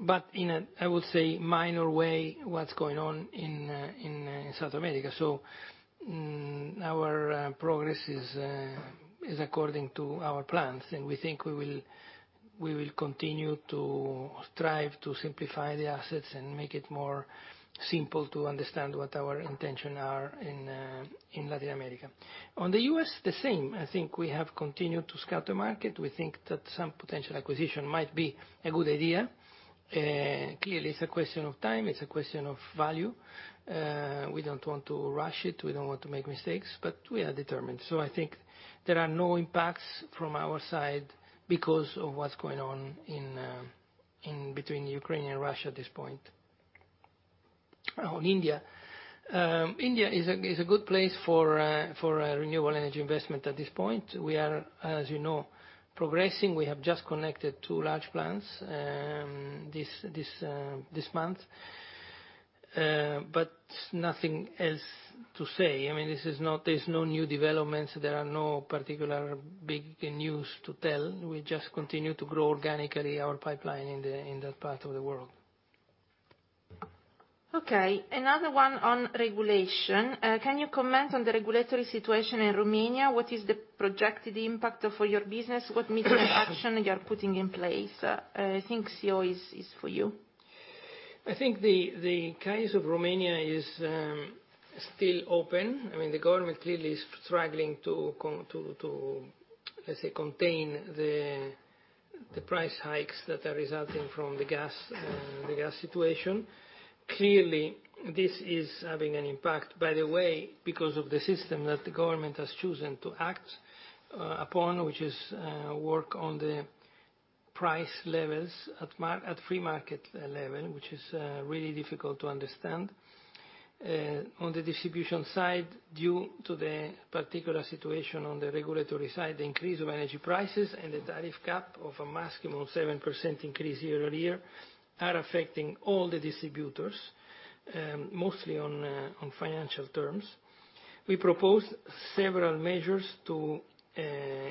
but in a, I would say, minor way what is going on in South America. Our progress is according to our plans. We think we will continue to strive to simplify the assets and make it more simple to understand what our intentions are in Latin America. On the U.S., the same. I think we have continued to scout the market. We think that some potential acquisition might be a good idea. Clearly, it is a question of time. It is a question of value. We do not want to rush it. We do not want to make mistakes, but we are determined. I think there are no impacts from our side because of what is going on between Ukraine and Russia at this point. On India, India is a good place for renewable energy investment at this point. We are, as you know, progressing. We have just connected two large plants this month. There is nothing else to say. I mean, there is no new developments. There are no particular big news to tell. We just continue to grow organically our pipeline in that part of the world. Okay. Another one on regulation. Can you comment on the regulatory situation in Romania? What is the projected impact for your business? What measures of action you are putting in place? I think CEO is for you. I think the case of Romania is still open. I mean, the government clearly is struggling to, let's say, contain the price hikes that are resulting from the gas situation. Clearly, this is having an impact, by the way, because of the system that the government has chosen to act upon, which is work on the price levels at free market level, which is really difficult to understand. On the distribution side, due to the particular situation on the regulatory side, the increase of energy prices and the tariff cap of a maximum 7% increase year-over-year are affecting all the distributors, mostly on financial terms. We proposed several measures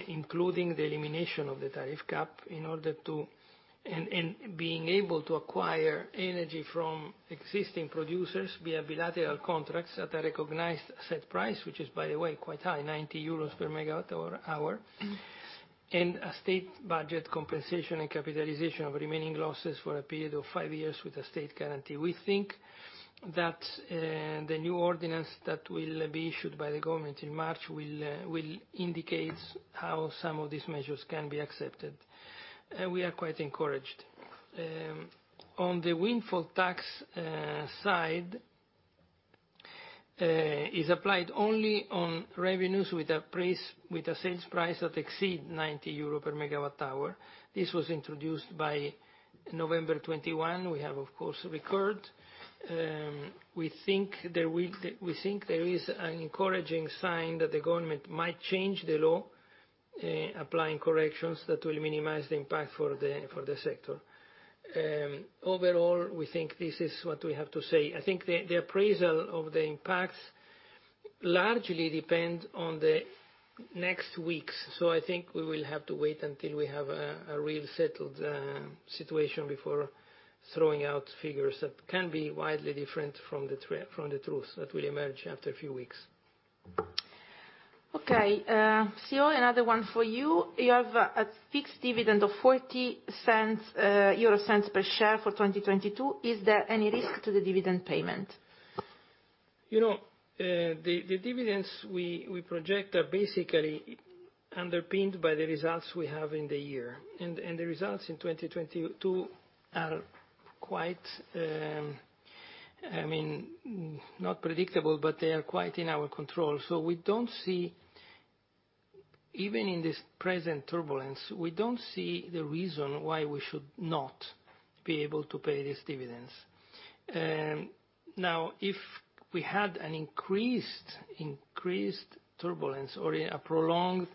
including the elimination of the tariff cap in order to and being able to acquire energy from existing producers via bilateral contracts at a recognized set price, which is, by the way, quite high, 90 euros per MWh, and a state budget compensation and capitalization of remaining losses for a period of five years with a state guarantee. We think that the new ordinance that will be issued by the government in March will indicate how some of these measures can be accepted. We are quite encouraged. On the windfall tax side, it is applied only on revenues with a sales price that exceeds 90 euro per MWh. This was introduced by November 2021. We have, of course, recurred. We think there is an encouraging sign that the government might change the law, applying corrections that will minimize the impact for the sector. Overall, we think this is what we have to say. I think the appraisal of the impacts largely depends on the next weeks. I think we will have to wait until we have a real settled situation before throwing out figures that can be widely different from the truth that will emerge after a few weeks. Okay. CEO, another one for you. You have a fixed dividend of 0.40 per share for 2022. Is there any risk to the dividend payment? The dividends we project are basically underpinned by the results we have in the year. The results in 2022 are quite, I mean, not predictable, but they are quite in our control. We do not see, even in this present turbulence, we do not see the reason why we should not be able to pay these dividends. Now, if we had an increased turbulence or a prolonged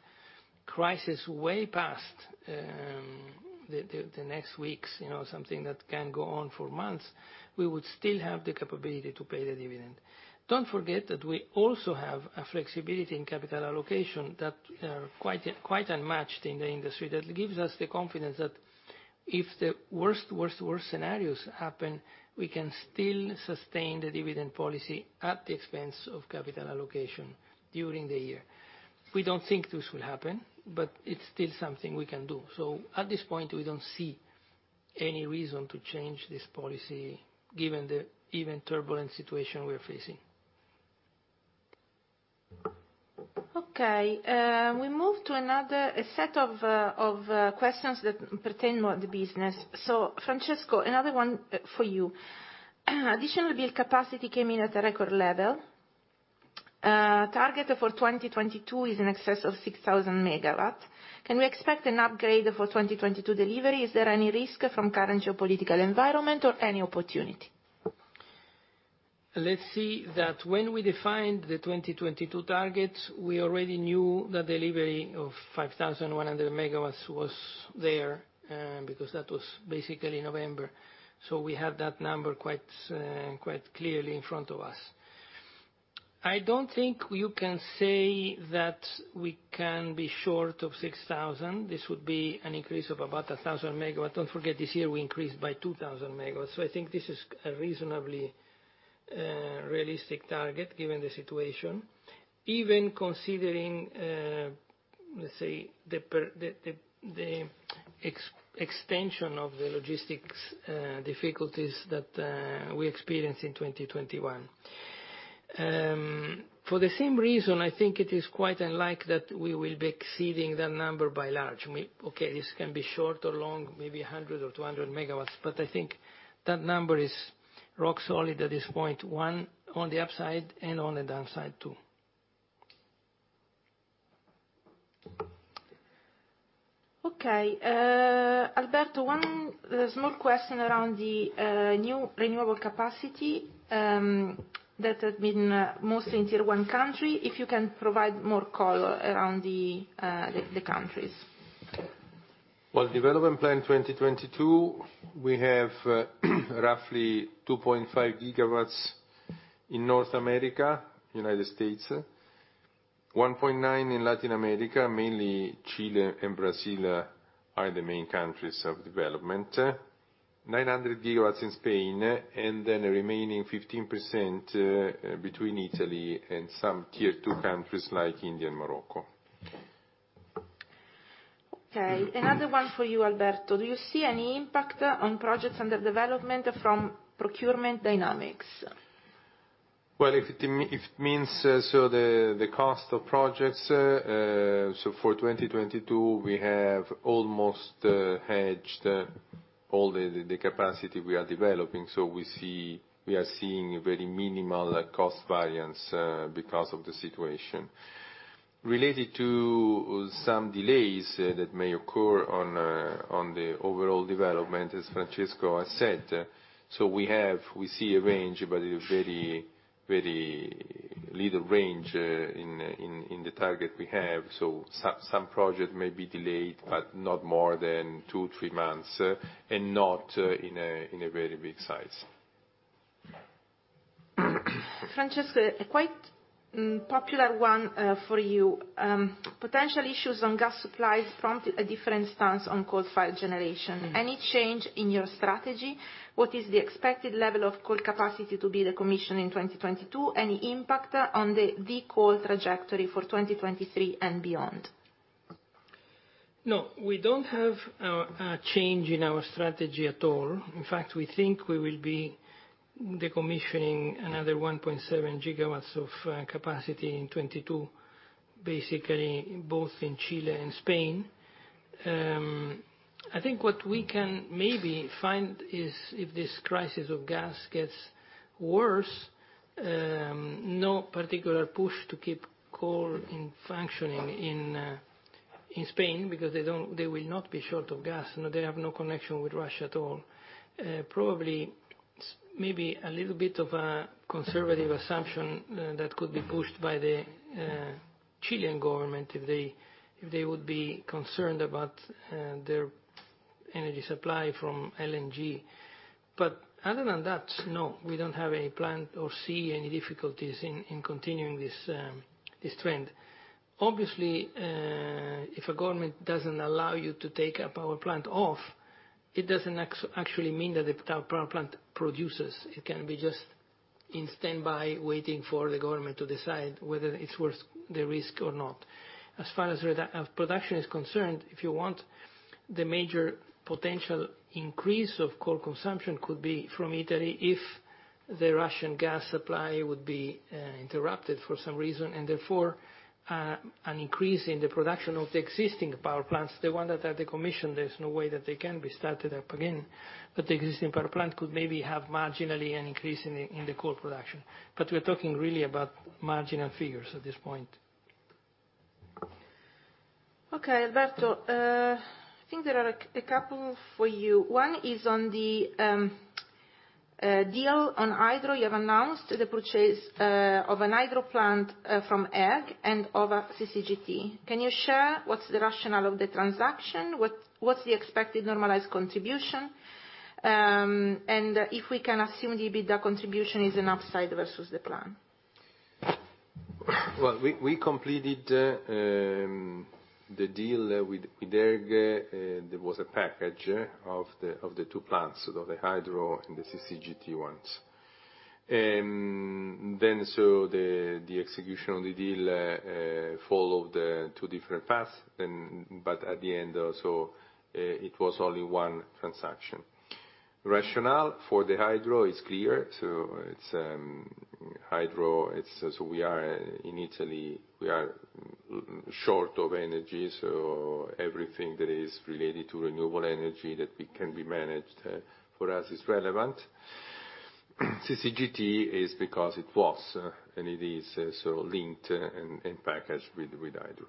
crisis way past the next weeks, something that can go on for months, we would still have the capability to pay the dividend. Do not forget that we also have a flexibility in capital allocation that is quite unmatched in the industry that gives us the confidence that if the worst, worst, worst scenarios happen, we can still sustain the dividend policy at the expense of capital allocation during the year. We do not think this will happen, but it is still something we can do. At this point, we don't see any reason to change this policy given the even turbulent situation we are facing. Okay. We move to another set of questions that pertain more to business. Francesco, another one for you. Additional bill capacity came in at a record level. Target for 2022 is in excess of 6,000 MWs. Can we expect an upgrade for 2022 delivery? Is there any risk from current geopolitical environment or any opportunity? Let's see that when we defined the 2022 target, we already knew that delivery of 5,100 MWs was there because that was basically November. We had that number quite clearly in front of us. I don't think you can say that we can be short of 6,000. This would be an increase of about 1,000 MWs. Don't forget this year we increased by 2,000 MWs. I think this is a reasonably realistic target given the situation, even considering, let's say, the extension of the logistics difficulties that we experienced in 2021. For the same reason, I think it is quite unlikely that we will be exceeding that number by large. This can be short or long, maybe 100 MW, or 200 MW. I think that number is rock solid at this point, one on the upside and on the downside too. Alberto, one small question around the new renewable capacity that had been mostly in Tier 1 country. If you can provide more color around the countries. Development plan 2022, we have roughly 2.5 GWs in North America, United States, 1.9 GW in Latin America. Mainly Chile and Brazil are the main countries of development, 900 GWs in Spain, and then a remaining 15% between Italy and some Tier 2 countries like India and Morocco. Okay. Another one for you, Alberto. Do you see any impact on projects under development from procurement dynamics? If it means the cost of projects, for 2022, we have almost hedged all the capacity we are developing. We are seeing very minimal cost variance because of the situation. Related to some delays that may occur on the overall development, as Francesco has said, we see a range, but it is a very, very little range in the target we have. Some projects may be delayed, but not more than two or three months and not in a very big size. Francesco, a quite popular one for you. Potential issues on gas supplies prompted a different stance on coal-fired generation. Any change in your strategy? What is the expected level of coal capacity to be decommissioned in 2022? Any impact on the decoal trajectory for 2023 and beyond? No, we do not have a change in our strategy at all. In fact, we think we will be decommissioning another 1.7 GWs of capacity in 2022, basically both in Chile and Spain. I think what we can maybe find is if this crisis of gas gets worse, no particular push to keep coal functioning in Spain because they will not be short of gas. They have no connection with Russia at all. Probably maybe a little bit of a conservative assumption that could be pushed by the Chilean government if they would be concerned about their energy supply from LNG. Other than that, no, we do not have any plan or see any difficulties in continuing this trend. Obviously, if a government does not allow you to take a power plant off, it does not actually mean that the power plant produces. It can be just in standby waiting for the government to decide whether it is worth the risk or not. As far as production is concerned, if you want, the major potential increase of coal consumption could be from Italy if the Russian gas supply would be interrupted for some reason and therefore an increase in the production of the existing power plants. The ones that are decommissioned, there is no way that they can be started up again. The existing power plant could maybe have marginally an increase in the coal production. We are talking really about marginal figures at this point. Okay. Alberto, I think there are a couple for you. One is on the deal on hydro you have announced the purchase of a hydro plant from ERG and of CCGT. Can you share what's the rationale of the transaction? What's the expected normalized contribution? If we can assume the EBITDA contribution is an upside versus the plan? We completed the deal with ERG. There was a package of the two plants, so the hydro and the CCGT ones. The execution of the deal followed two different paths. At the end, it was only one transaction. Rationale for the hydro is clear. Hydro, we are in Italy, we are short of energy. Everything that is related to renewable energy that can be managed for us is relevant. CCGT is because it was and it is linked and packaged with hydro.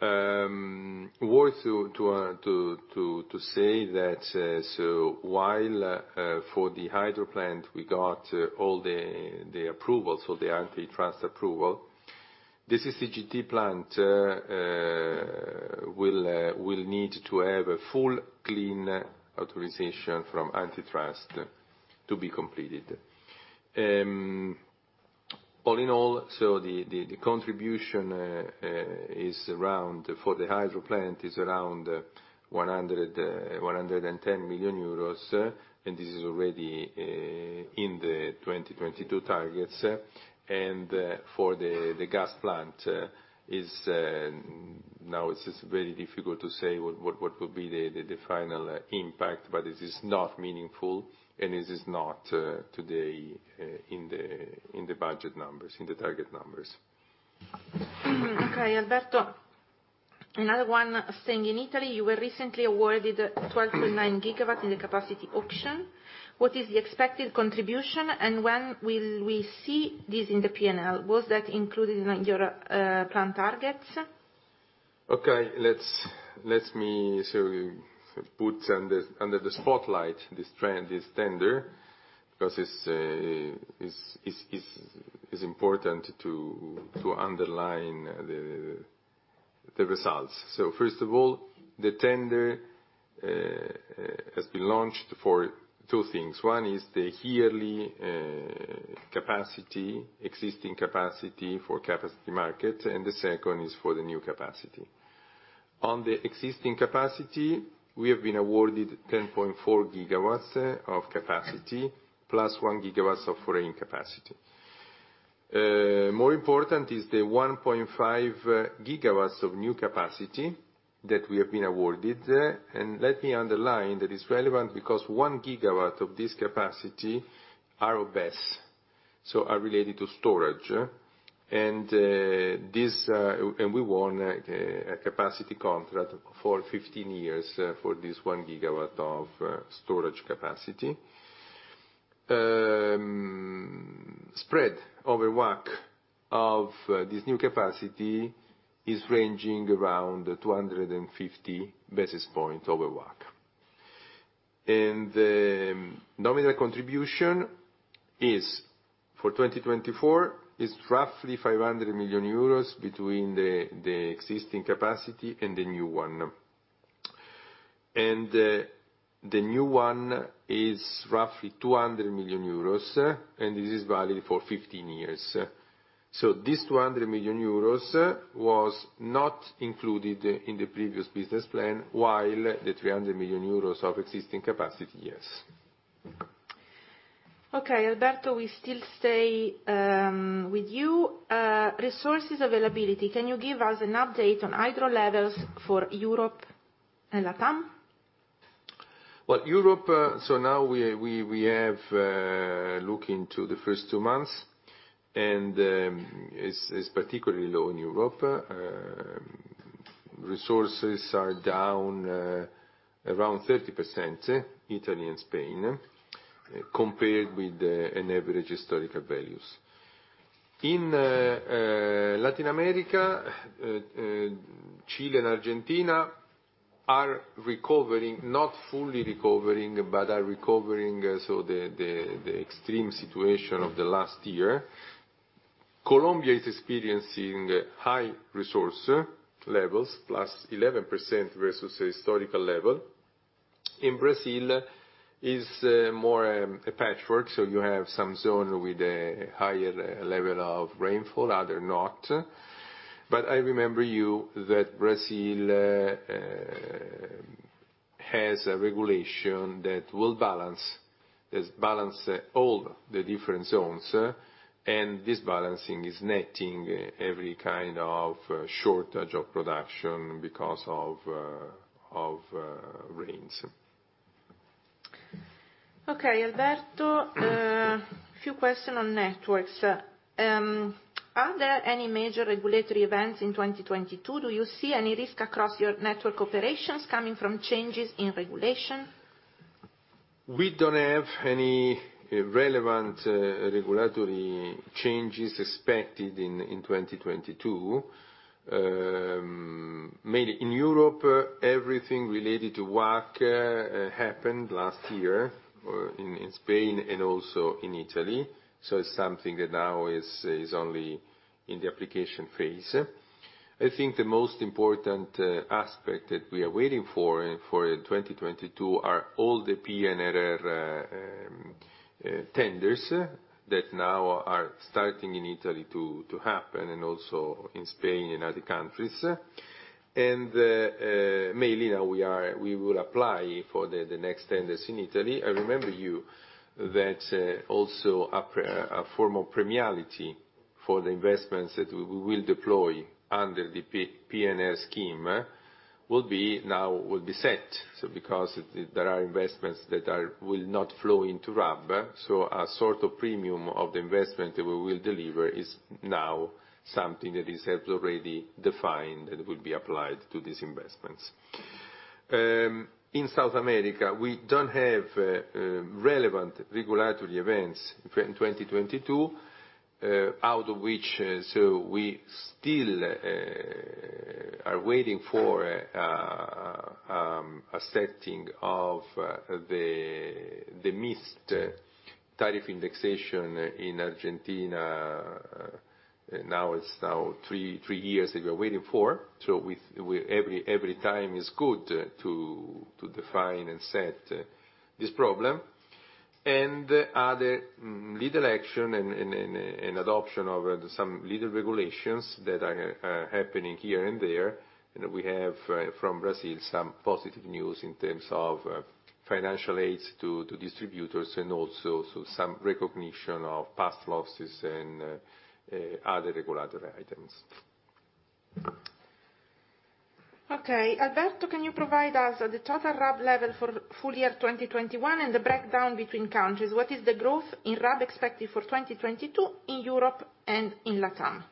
Worth to say that while for the hydro plant, we got all the approvals, the antitrust approval, the CCGT plant will need to have a full clean authorization from antitrust to be completed. All in all, the contribution for the hydro plant is around 110 million euros. This is already in the 2022 targets. For the gas plant, now it is very difficult to say what would be the final impact, but it is not meaningful. It is not today in the budget numbers, in the target numbers. Okay. Alberto, another one saying in Italy, you were recently awarded 12.9 GWs in the capacity auction. What is the expected contribution and when will we see this in the P&L? Was that included in your plan targets? Okay. Let me put under the spotlight this tender because it is important to underline the results. First of all, the tender has been launched for two things. One is the yearly capacity, existing capacity for capacity market. The second is for the new capacity. On the existing capacity, we have been awarded 10.4 GWs of capacity plus 1 gigawatt of foraying capacity. More important is the 1.5 GWs of new capacity that we have been awarded. Let me underline that it's relevant because 1 gigawatt of this capacity are OBS, so are related to storage. We won a capacity contract for 15 years for this 1 GW of storage capacity. Spread over WAC of this new capacity is ranging around 250 basis points over WAC. Nominal contribution for 2024 is roughly 500 million euros between the existing capacity and the new one. The new one is roughly 200 million euros. This is valid for 15 years. This 200 million euros was not included in the previous business plan while the 300 million euros of existing capacity, yes. Okay. Alberto, we still stay with you. Resources availability. Can you give us an update on hydro levels for Europe and LATAM? Europe, now we have looked into the first two months. It is particularly low in Europe. Resources are down around 30%, Italy and Spain, compared with average historical values. In Latin America, Chile and Argentina are recovering, not fully recovering, but are recovering from the extreme situation of last year. Colombia is experiencing high resource levels, +11% versus the historical level. In Brazil, it is more a patchwork. You have some zones with a higher level of rainfall, others not. I remind you that Brazil has a regulation that will balance all the different zones. This balancing is netting every kind of shortage of production because of rains. Okay. Alberto, a few questions on networks. Are there any major regulatory events in 2022? Do you see any risk across your network operations coming from changes in regulation? We do not have any relevant regulatory changes expected in 2022. Mainly in Europe, everything related to WACC happened last year in Spain and also in Italy. It is something that now is only in the application phase. I think the most important aspect that we are waiting for in 2022 are all the PNRR tenders that now are starting in Italy to happen and also in Spain and other countries. Mainly now we will apply for the next tenders in Italy. I remember you that also a form of premiality for the investments that we will deploy under the PNRR scheme will now be set. Because there are investments that will not flow into RAB, a sort of premium of the investment that we will deliver is now something that is already defined and will be applied to these investments. In South America, we do not have relevant regulatory events in 2022, out of which we still are waiting for a setting of the missed tariff indexation in Argentina. Now it is three years that we are waiting for. Every time is good to define and set this problem. Other legal action and adoption of some legal regulations are happening here and there. We have from Brazil some positive news in terms of financial aids to distributors and also some recognition of past losses and other regulatory items. Okay. Alberto, can you provide us the total RAB level for full year 2021 and the breakdown between countries? What is the growth in RAB expected for 2022 in Europe and in LATAM?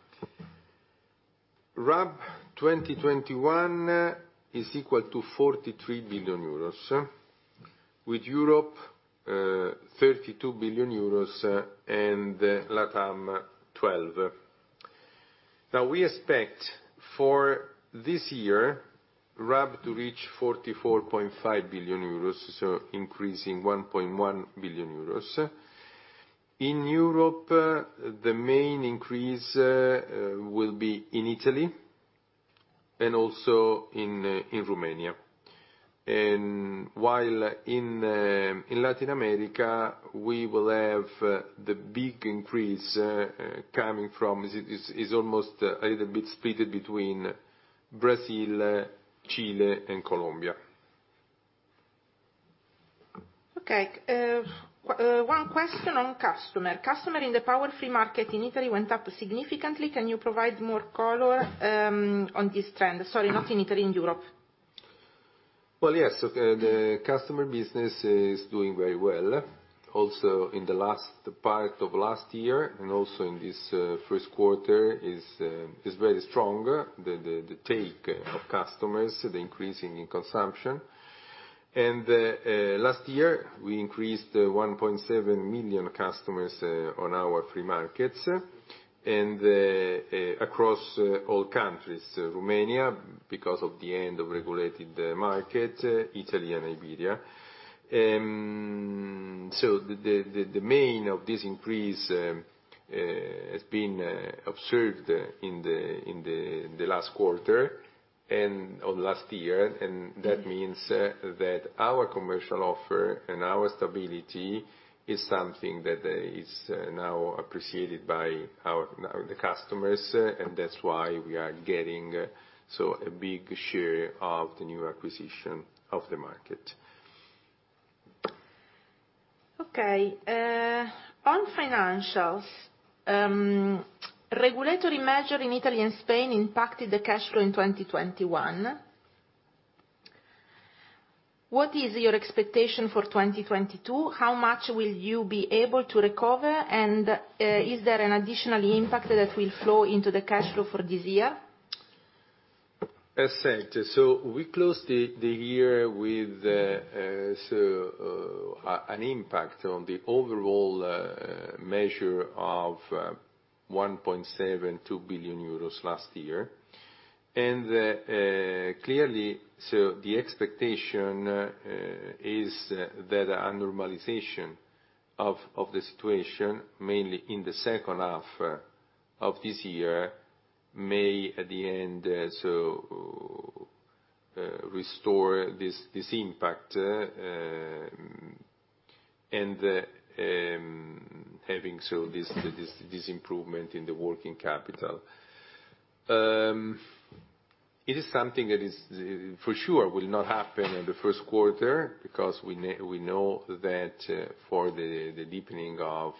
RAB 2021 is equal to 43 billion euros, with Europe 32 billion euros and LATAM 12. Now we expect for this year RAB to reach 44.5 billion euros, so increasing 1.1 billion euros. In Europe, the main increase will be in Italy and also in Romania. While in Latin America, we will have the big increase coming from is almost a little bit split between Brazil, Chile, and Colombia. Okay. One question on customer. Customer in the power-free market in Italy went up significantly. Can you provide more color on this trend? Sorry, not in Italy, in Europe. Yes. The customer business is doing very well. Also in the last part of last year and also in this first quarter is very strong, the take of customers, the increasing consumption. Last year, we increased 1.7 million customers on our free markets across all countries, Romania because of the end of regulated market, Italy and Iberia. The main of this increase has been observed in the last quarter and last year. That means that our commercial offer and our stability is something that is now appreciated by the customers. That is why we are getting such a big share of the new acquisition of the market. Okay. On financials, regulatory measure in Italy and Spain impacted the cash flow in 2021. What is your expectation for 2022? How much will you be able to recover? Is there an additional impact that will flow into the cash flow for this year? As said, we closed the year with an impact on the overall measure of 1.72 billion euros last year. Clearly, the expectation is that a normalization of the situation, mainly in the second half of this year, may at the end restore this impact and have this improvement in the working capital. It is something that for sure will not happen in the first quarter because we know that for the deepening of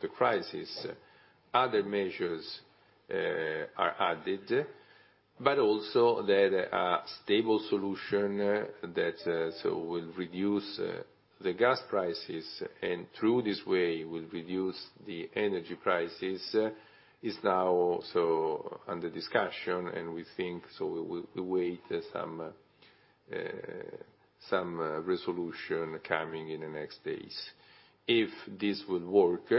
the crisis, other measures are added. Also, a stable solution that will reduce the gas prices and through this way will reduce the energy prices is now under discussion. We think we wait for some resolution coming in the next days. If this will work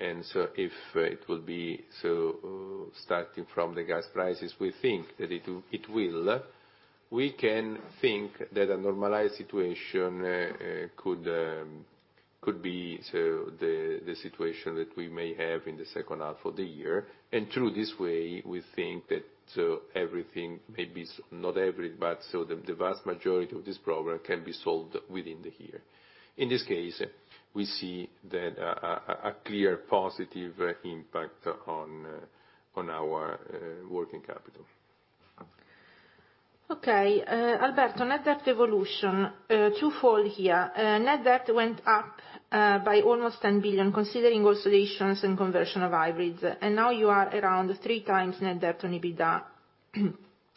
and if it will be so starting from the gas prices, we think that it will, we can think that a normalized situation could be the situation that we may have in the second half of the year. Through this way, we think that everything may be, not every, but the vast majority of this problem can be solved within the year. In this case, we see a clear positive impact on our working capital. Okay. Alberto, net debt evolution, twofold here. Net debt went up by almost 10 billion, considering also the issues and conversion of hybrids. Now you are around three times net debt on EBITDA.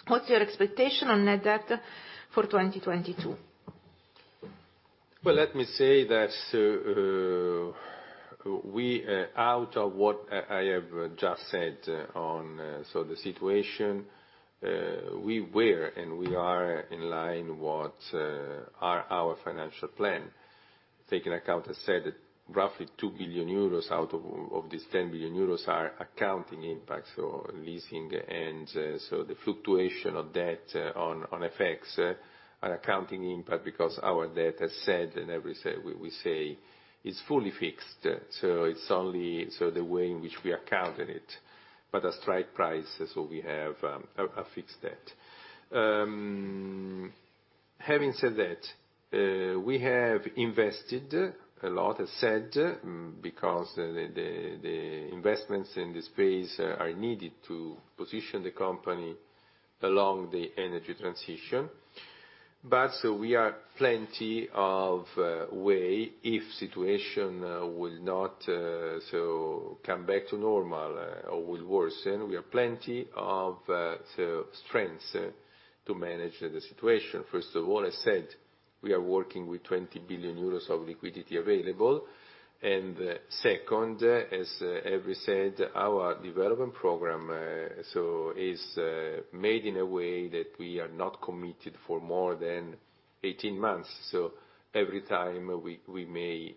What's your expectation on net debt for 2022? Let me say that out of what I have just said on the situation, we were and we are in line with what are our financial plan. Taking account, as said, roughly 2 billion euros out of this 10 billion euros are accounting impacts. So leasing and the fluctuation of debt on FX are accounting impact because our debt, as said, and every time we say is fully fixed. It is only the way in which we accounted it. At a strike price, we have a fixed debt. Having said that, we have invested a lot, as said, because the investments in this phase are needed to position the company along the energy transition. We are plenty of way if situation will not come back to normal or will worsen. We have plenty of strengths to manage the situation. First of all, as said, we are working with 20 billion euros of liquidity available. Second, as already said, our development program is made in a way that we are not committed for more than 18 months. Every time, we may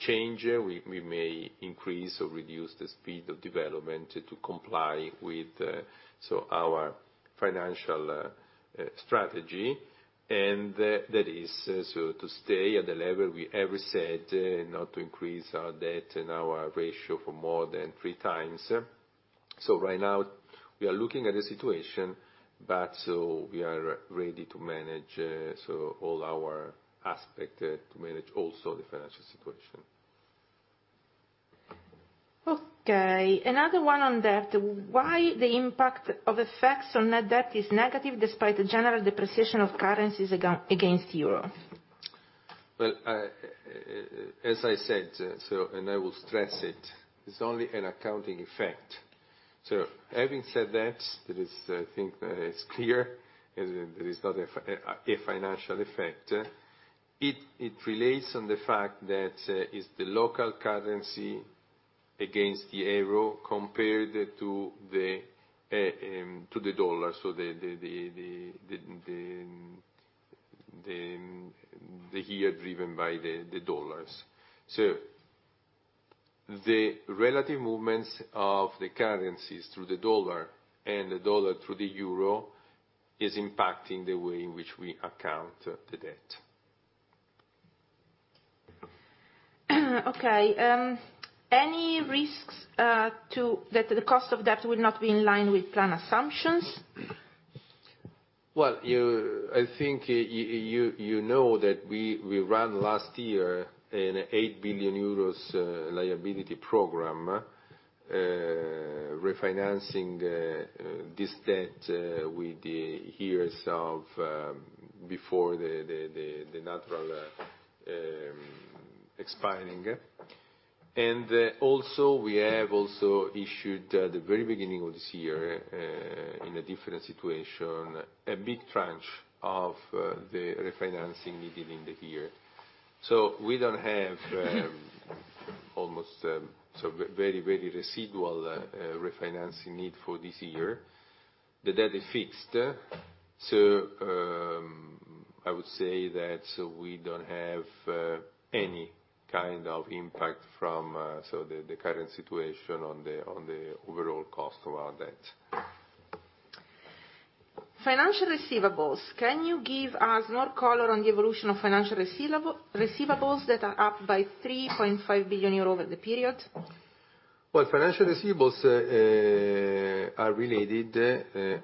change, we may increase or reduce the speed of development to comply with our financial strategy. That is to stay at the level we have said, not to increase our debt and our ratio for more than 3x. Right now, we are looking at the situation, but we are ready to manage all our aspects to manage also the financial situation. Okay. Another one on debt. Why is the impact of FX on net debt negative despite the general depreciation of currencies against euro? As I said, and I will stress it, it's only an accounting effect. Having said that, I think it's clear that it's not a financial effect. It relates on the fact that it's the local currency against the euro compared to the dollar. The year driven by the dollars. The relative movements of the currencies through the dollar and the dollar through the euro is impacting the way in which we account the debt. Okay. Any risks that the cost of debt will not be in line with plan assumptions? I think you know that we ran last year an 8 billion euros liability program, refinancing this debt with the years of before the natural expiring. Also we have also issued at the very beginning of this year in a different situation a big tranche of the refinancing needed in the year. We don't have almost so very, very residual refinancing need for this year. The debt is fixed. I would say that we do not have any kind of impact from the current situation on the overall cost of our debt. Financial receivables, can you give us more color on the evolution of financial receivables that are up by 3.5 billion euros over the period? Financial receivables are related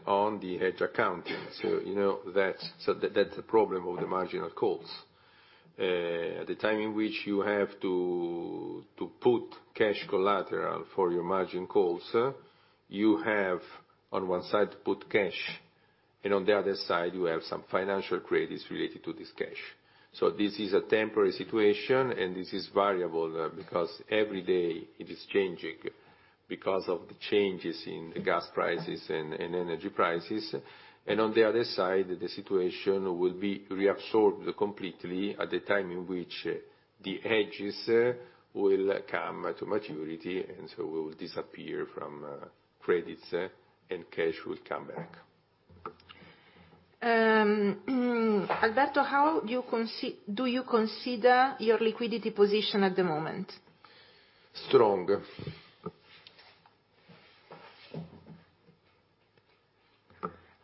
on the hedge accounting. That is the problem of the marginal calls. At the time in which you have to put cash collateral for your margin calls, you have on one side to put cash and on the other side, you have some financial credits related to this cash. This is a temporary situation and this is variable because every day it is changing because of the changes in the gas prices and energy prices. On the other side, the situation will be reabsorbed completely at the time in which the hedges will come to maturity and so will disappear from credits and cash will come back. Alberto, how do you consider your liquidity position at the moment? Strong.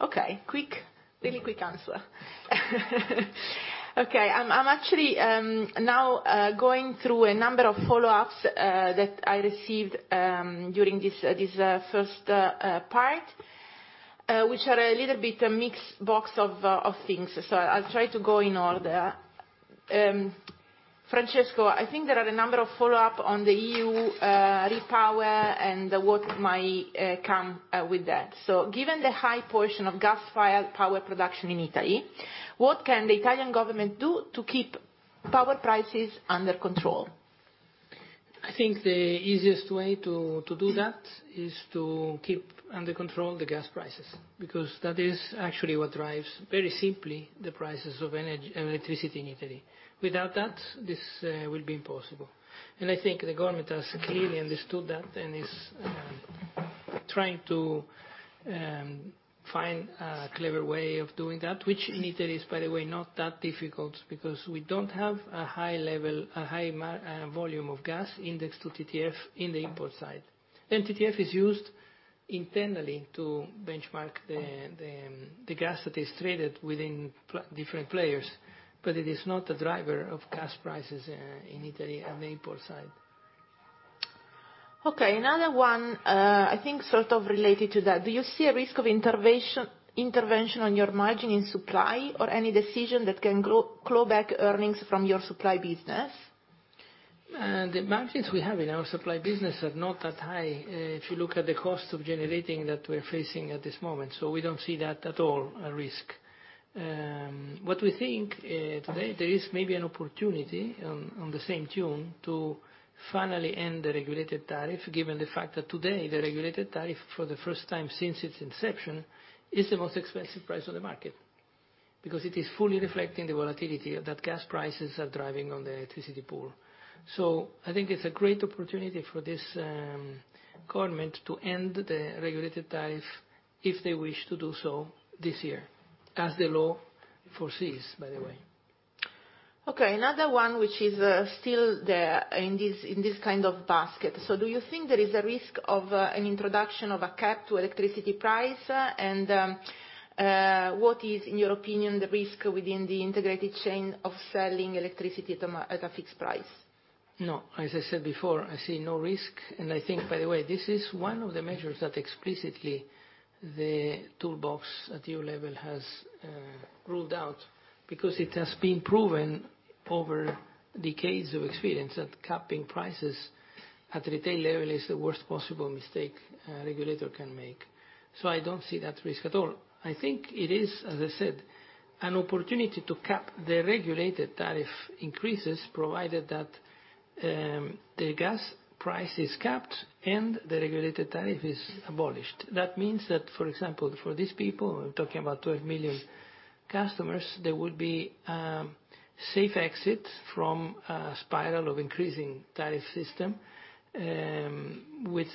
Okay. Quick, really quick answer. Okay. I'm actually now going through a number of follow-ups that I received during this first part, which are a little bit a mixed box of things. I'll try to go in order. Francesco, I think there are a number of follow-ups on the EU RePower and what might come with that. Given the high portion of gas power production in Italy, what can the Italian government do to keep power prices under control? I think the easiest way to do that is to keep under control the gas prices because that is actually what drives very simply the prices of electricity in Italy. Without that, this will be impossible. I think the government has clearly understood that and is trying to find a clever way of doing that, which in Italy is, by the way, not that difficult because we do not have a high level, a high volume of gas indexed to TTF in the import side. TTF is used internally to benchmark the gas that is traded within different players, but it is not a driver of gas prices in Italy on the import side. Okay. Another one, I think sort of related to that. Do you see a risk of intervention on your margin in supply or any decision that can claw back earnings from your supply business? The margins we have in our supply business are not that high if you look at the cost of generating that we're facing at this moment. We do not see that at all a risk. What we think today, there is maybe an opportunity on the same tune to finally end the regulated tariff given the fact that today the regulated tariff for the first time since its inception is the most expensive price on the market because it is fully reflecting the volatility that gas prices are driving on the electricity pool. I think it is a great opportunity for this government to end the regulated tariff if they wish to do so this year, as the law foresees, by the way. Okay. Another one, which is still in this kind of basket. Do you think there is a risk of an introduction of a cap to electricity price? What is, in your opinion, the risk within the integrated chain of selling electricity at a fixed price? No. As I said before, I see no risk. I think, by the way, this is one of the measures that explicitly the toolbox at EU level has ruled out because it has been proven over decades of experience that capping prices at retail level is the worst possible mistake a regulator can make. I do not see that risk at all. I think it is, as I said, an opportunity to cap the regulated tariff increases provided that the gas price is capped and the regulated tariff is abolished. That means that, for example, for these people, we're talking about 12 million customers, there would be a safe exit from a spiral of increasing tariff system with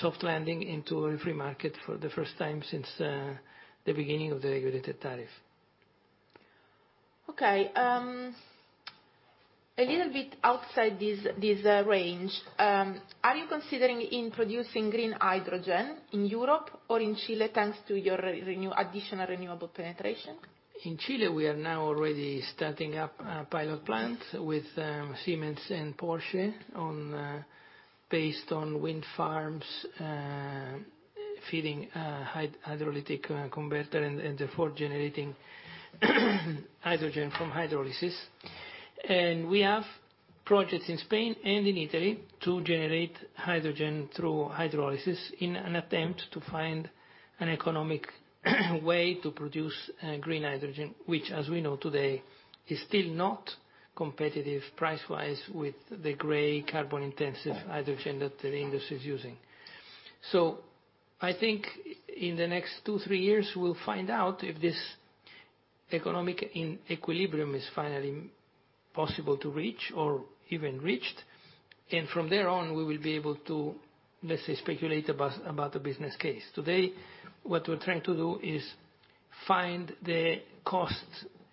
soft landing into a free market for the first time since the beginning of the regulated tariff. Okay. A little bit outside this range, are you considering introducing green hydrogen in Europe or in Chile thanks to your additional renewable penetration? In Chile, we are now already starting up a pilot plant with Siemens and Porsche based on wind farms feeding hydrolytic converter and therefore generating hydrogen from hydrolysis. We have projects in Spain and in Italy to generate hydrogen through hydrolysis in an attempt to find an economic way to produce green hydrogen, which, as we know today, is still not competitive price-wise with the gray carbon-intensive hydrogen that the industry is using. I think in the next two, three years, we'll find out if this economic equilibrium is finally possible to reach or even reached. From there on, we will be able to, let's say, speculate about a business case. Today, what we're trying to do is find the cost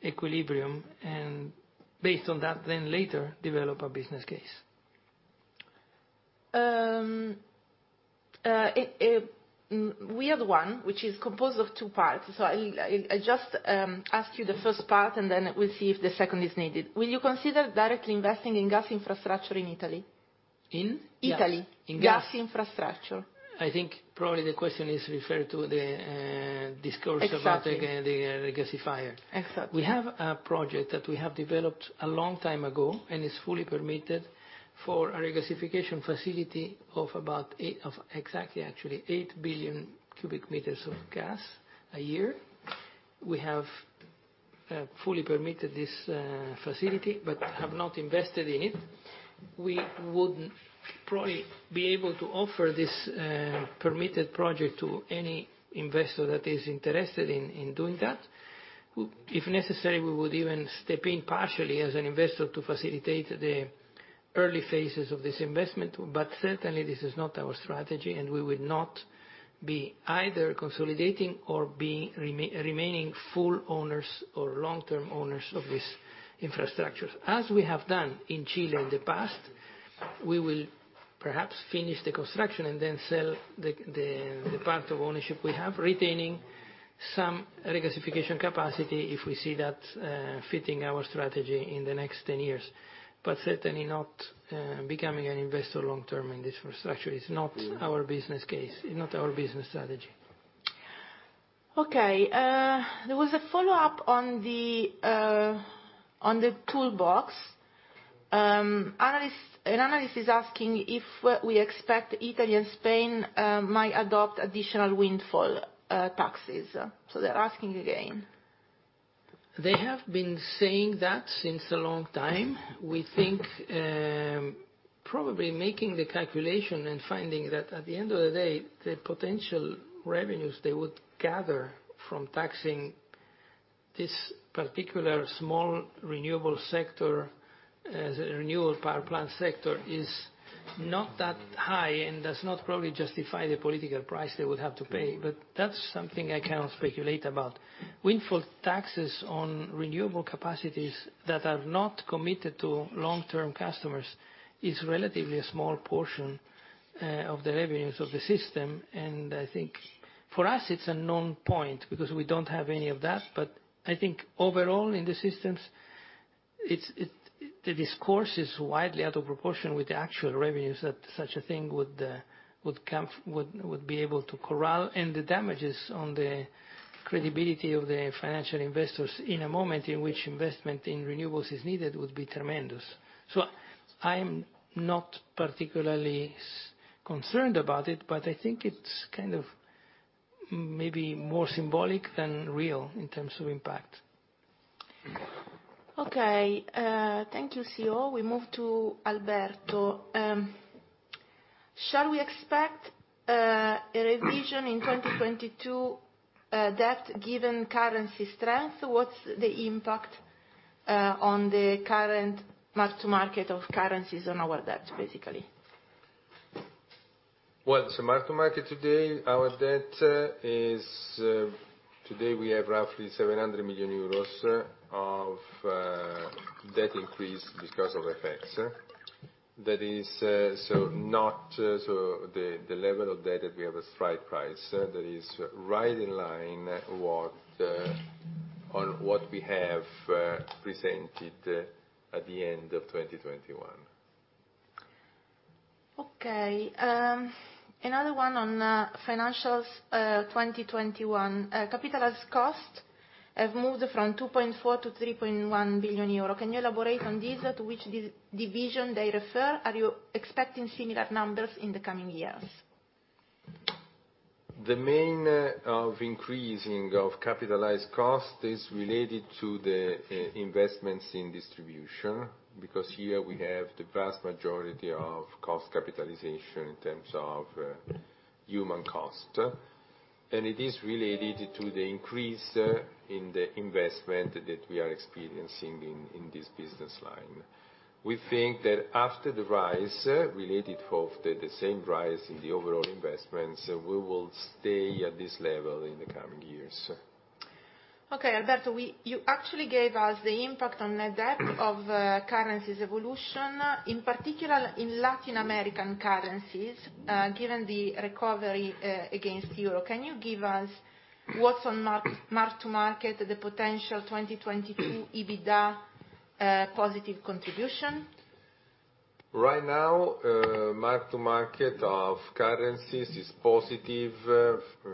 equilibrium and based on that, then later develop a business case. We have one, which is composed of two parts. I'll just ask you the first part and then we'll see if the second is needed. Will you consider directly investing in gas infrastructure in Italy? In Italy. In gas. Gas infrastructure. I think probably the question is referred to the discourse about the regasifier. Exactly. We have a project that we have developed a long time ago and is fully permitted for a regasification facility of about exactly, actually, 8 billion m3 of gas a year. We have fully permitted this facility but have not invested in it. We would probably be able to offer this permitted project to any investor that is interested in doing that. If necessary, we would even step in partially as an investor to facilitate the early phases of this investment. Certainly, this is not our strategy and we would not be either consolidating or remaining full owners or long-term owners of this infrastructure. As we have done in Chile in the past, we will perhaps finish the construction and then sell the part of ownership we have, retaining some regasification capacity if we see that fitting our strategy in the next 10 years. Certainly not becoming an investor long-term in this infrastructure. It's not our business case. It's not our business strategy. Okay. There was a follow-up on the toolbox. An analyst is asking if we expect Italy and Spain might adopt additional windfall taxes. They are asking again. They have been saying that since a long time. We think probably making the calculation and finding that at the end of the day, the potential revenues they would gather from taxing this particular small renewable sector, renewable power plant sector, is not that high and does not probably justify the political price they would have to pay. That is something I cannot speculate about. Windfall taxes on renewable capacities that are not committed to long-term customers is relatively a small portion of the revenues of the system. I think for us, it is a known point because we do not have any of that. I think overall in the systems, the discourse is widely out of proportion with the actual revenues that such a thing would be able to corral. The damages on the credibility of the financial investors in a moment in which investment in renewables is needed would be tremendous. I am not particularly concerned about it, but I think it is kind of maybe more symbolic than real in terms of impact. Okay. Thank you, CEO. We move to Alberto. Shall we expect a revision in 2022 debt given currency strength? What is the impact on the current mark-to-market of currencies on our debt, basically? Mark-to-market today, our debt is today we have roughly 700 million euros of debt increase because of effects. That is not so the level of debt that we have as flight price that is right in line on what we have presented at the end of 2021. Okay. Another one on financials 2021. Capitalized costs have moved from 2.4 billion-3.1 billion euro. Can you elaborate on this? To which division do they refer? Are you expecting similar numbers in the coming years? The main increasing of capitalized cost is related to the investments in distribution because here we have the vast majority of cost capitalization in terms of human cost. And it is related to the increase in the investment that we are experiencing in this business line. We think that after the rise, related for the same rise in the overall investments, we will stay at this level in the coming years. Okay. Alberto, you actually gave us the impact on net debt of currencies evolution, in particular in Latin American currencies, given the recovery against EUR. Can you give us what's on mark-to-market, the potential 2022 EBITDA positive contribution? Right now, mark-to-market of currencies is positive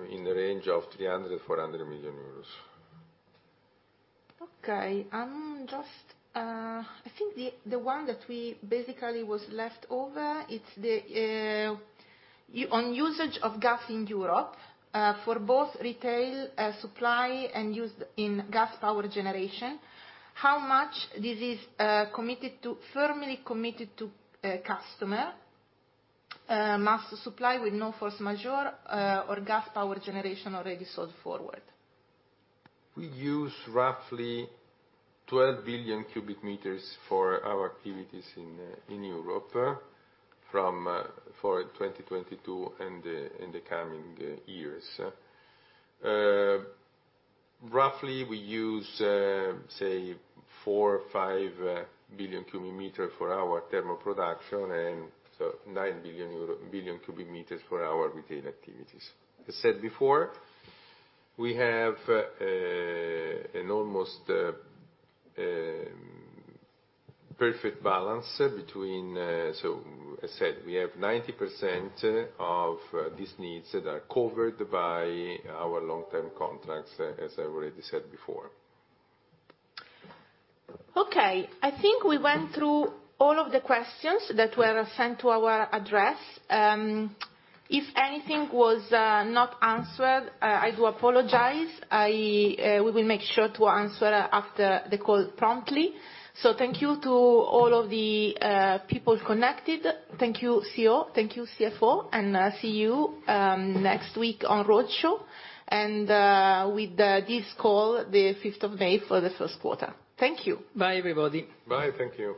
in the range of 300 million-400 million euros. Okay. I think the one that we basically was left over, it's the on usage of gas in Europe for both retail supply and used in gas power generation. How much this is firmly committed to customer must supply with no force majeure or gas power generation already sold forward? We use roughly 12 billion m3 for our activities in Europe for 2022 and the coming years. Roughly, we use, say, 4 billion m3 or 5 billion m3 for our thermal production and so 9 billion m3 for our retail activities. As I said before, we have an almost perfect balance between, so as I said, we have 90% of these needs that are covered by our long-term contracts, as I already said before. Okay. I think we went through all of the questions that were sent to our address. If anything was not answered, I do apologize. We will make sure to answer after the call promptly. Thank you to all of the people connected. Thank you, CEO. Thank you, CFO. See you next week on Roadshow and with this call, the 5th of May for the first quarter. Thank you. Bye, everybody. Bye. Thank you.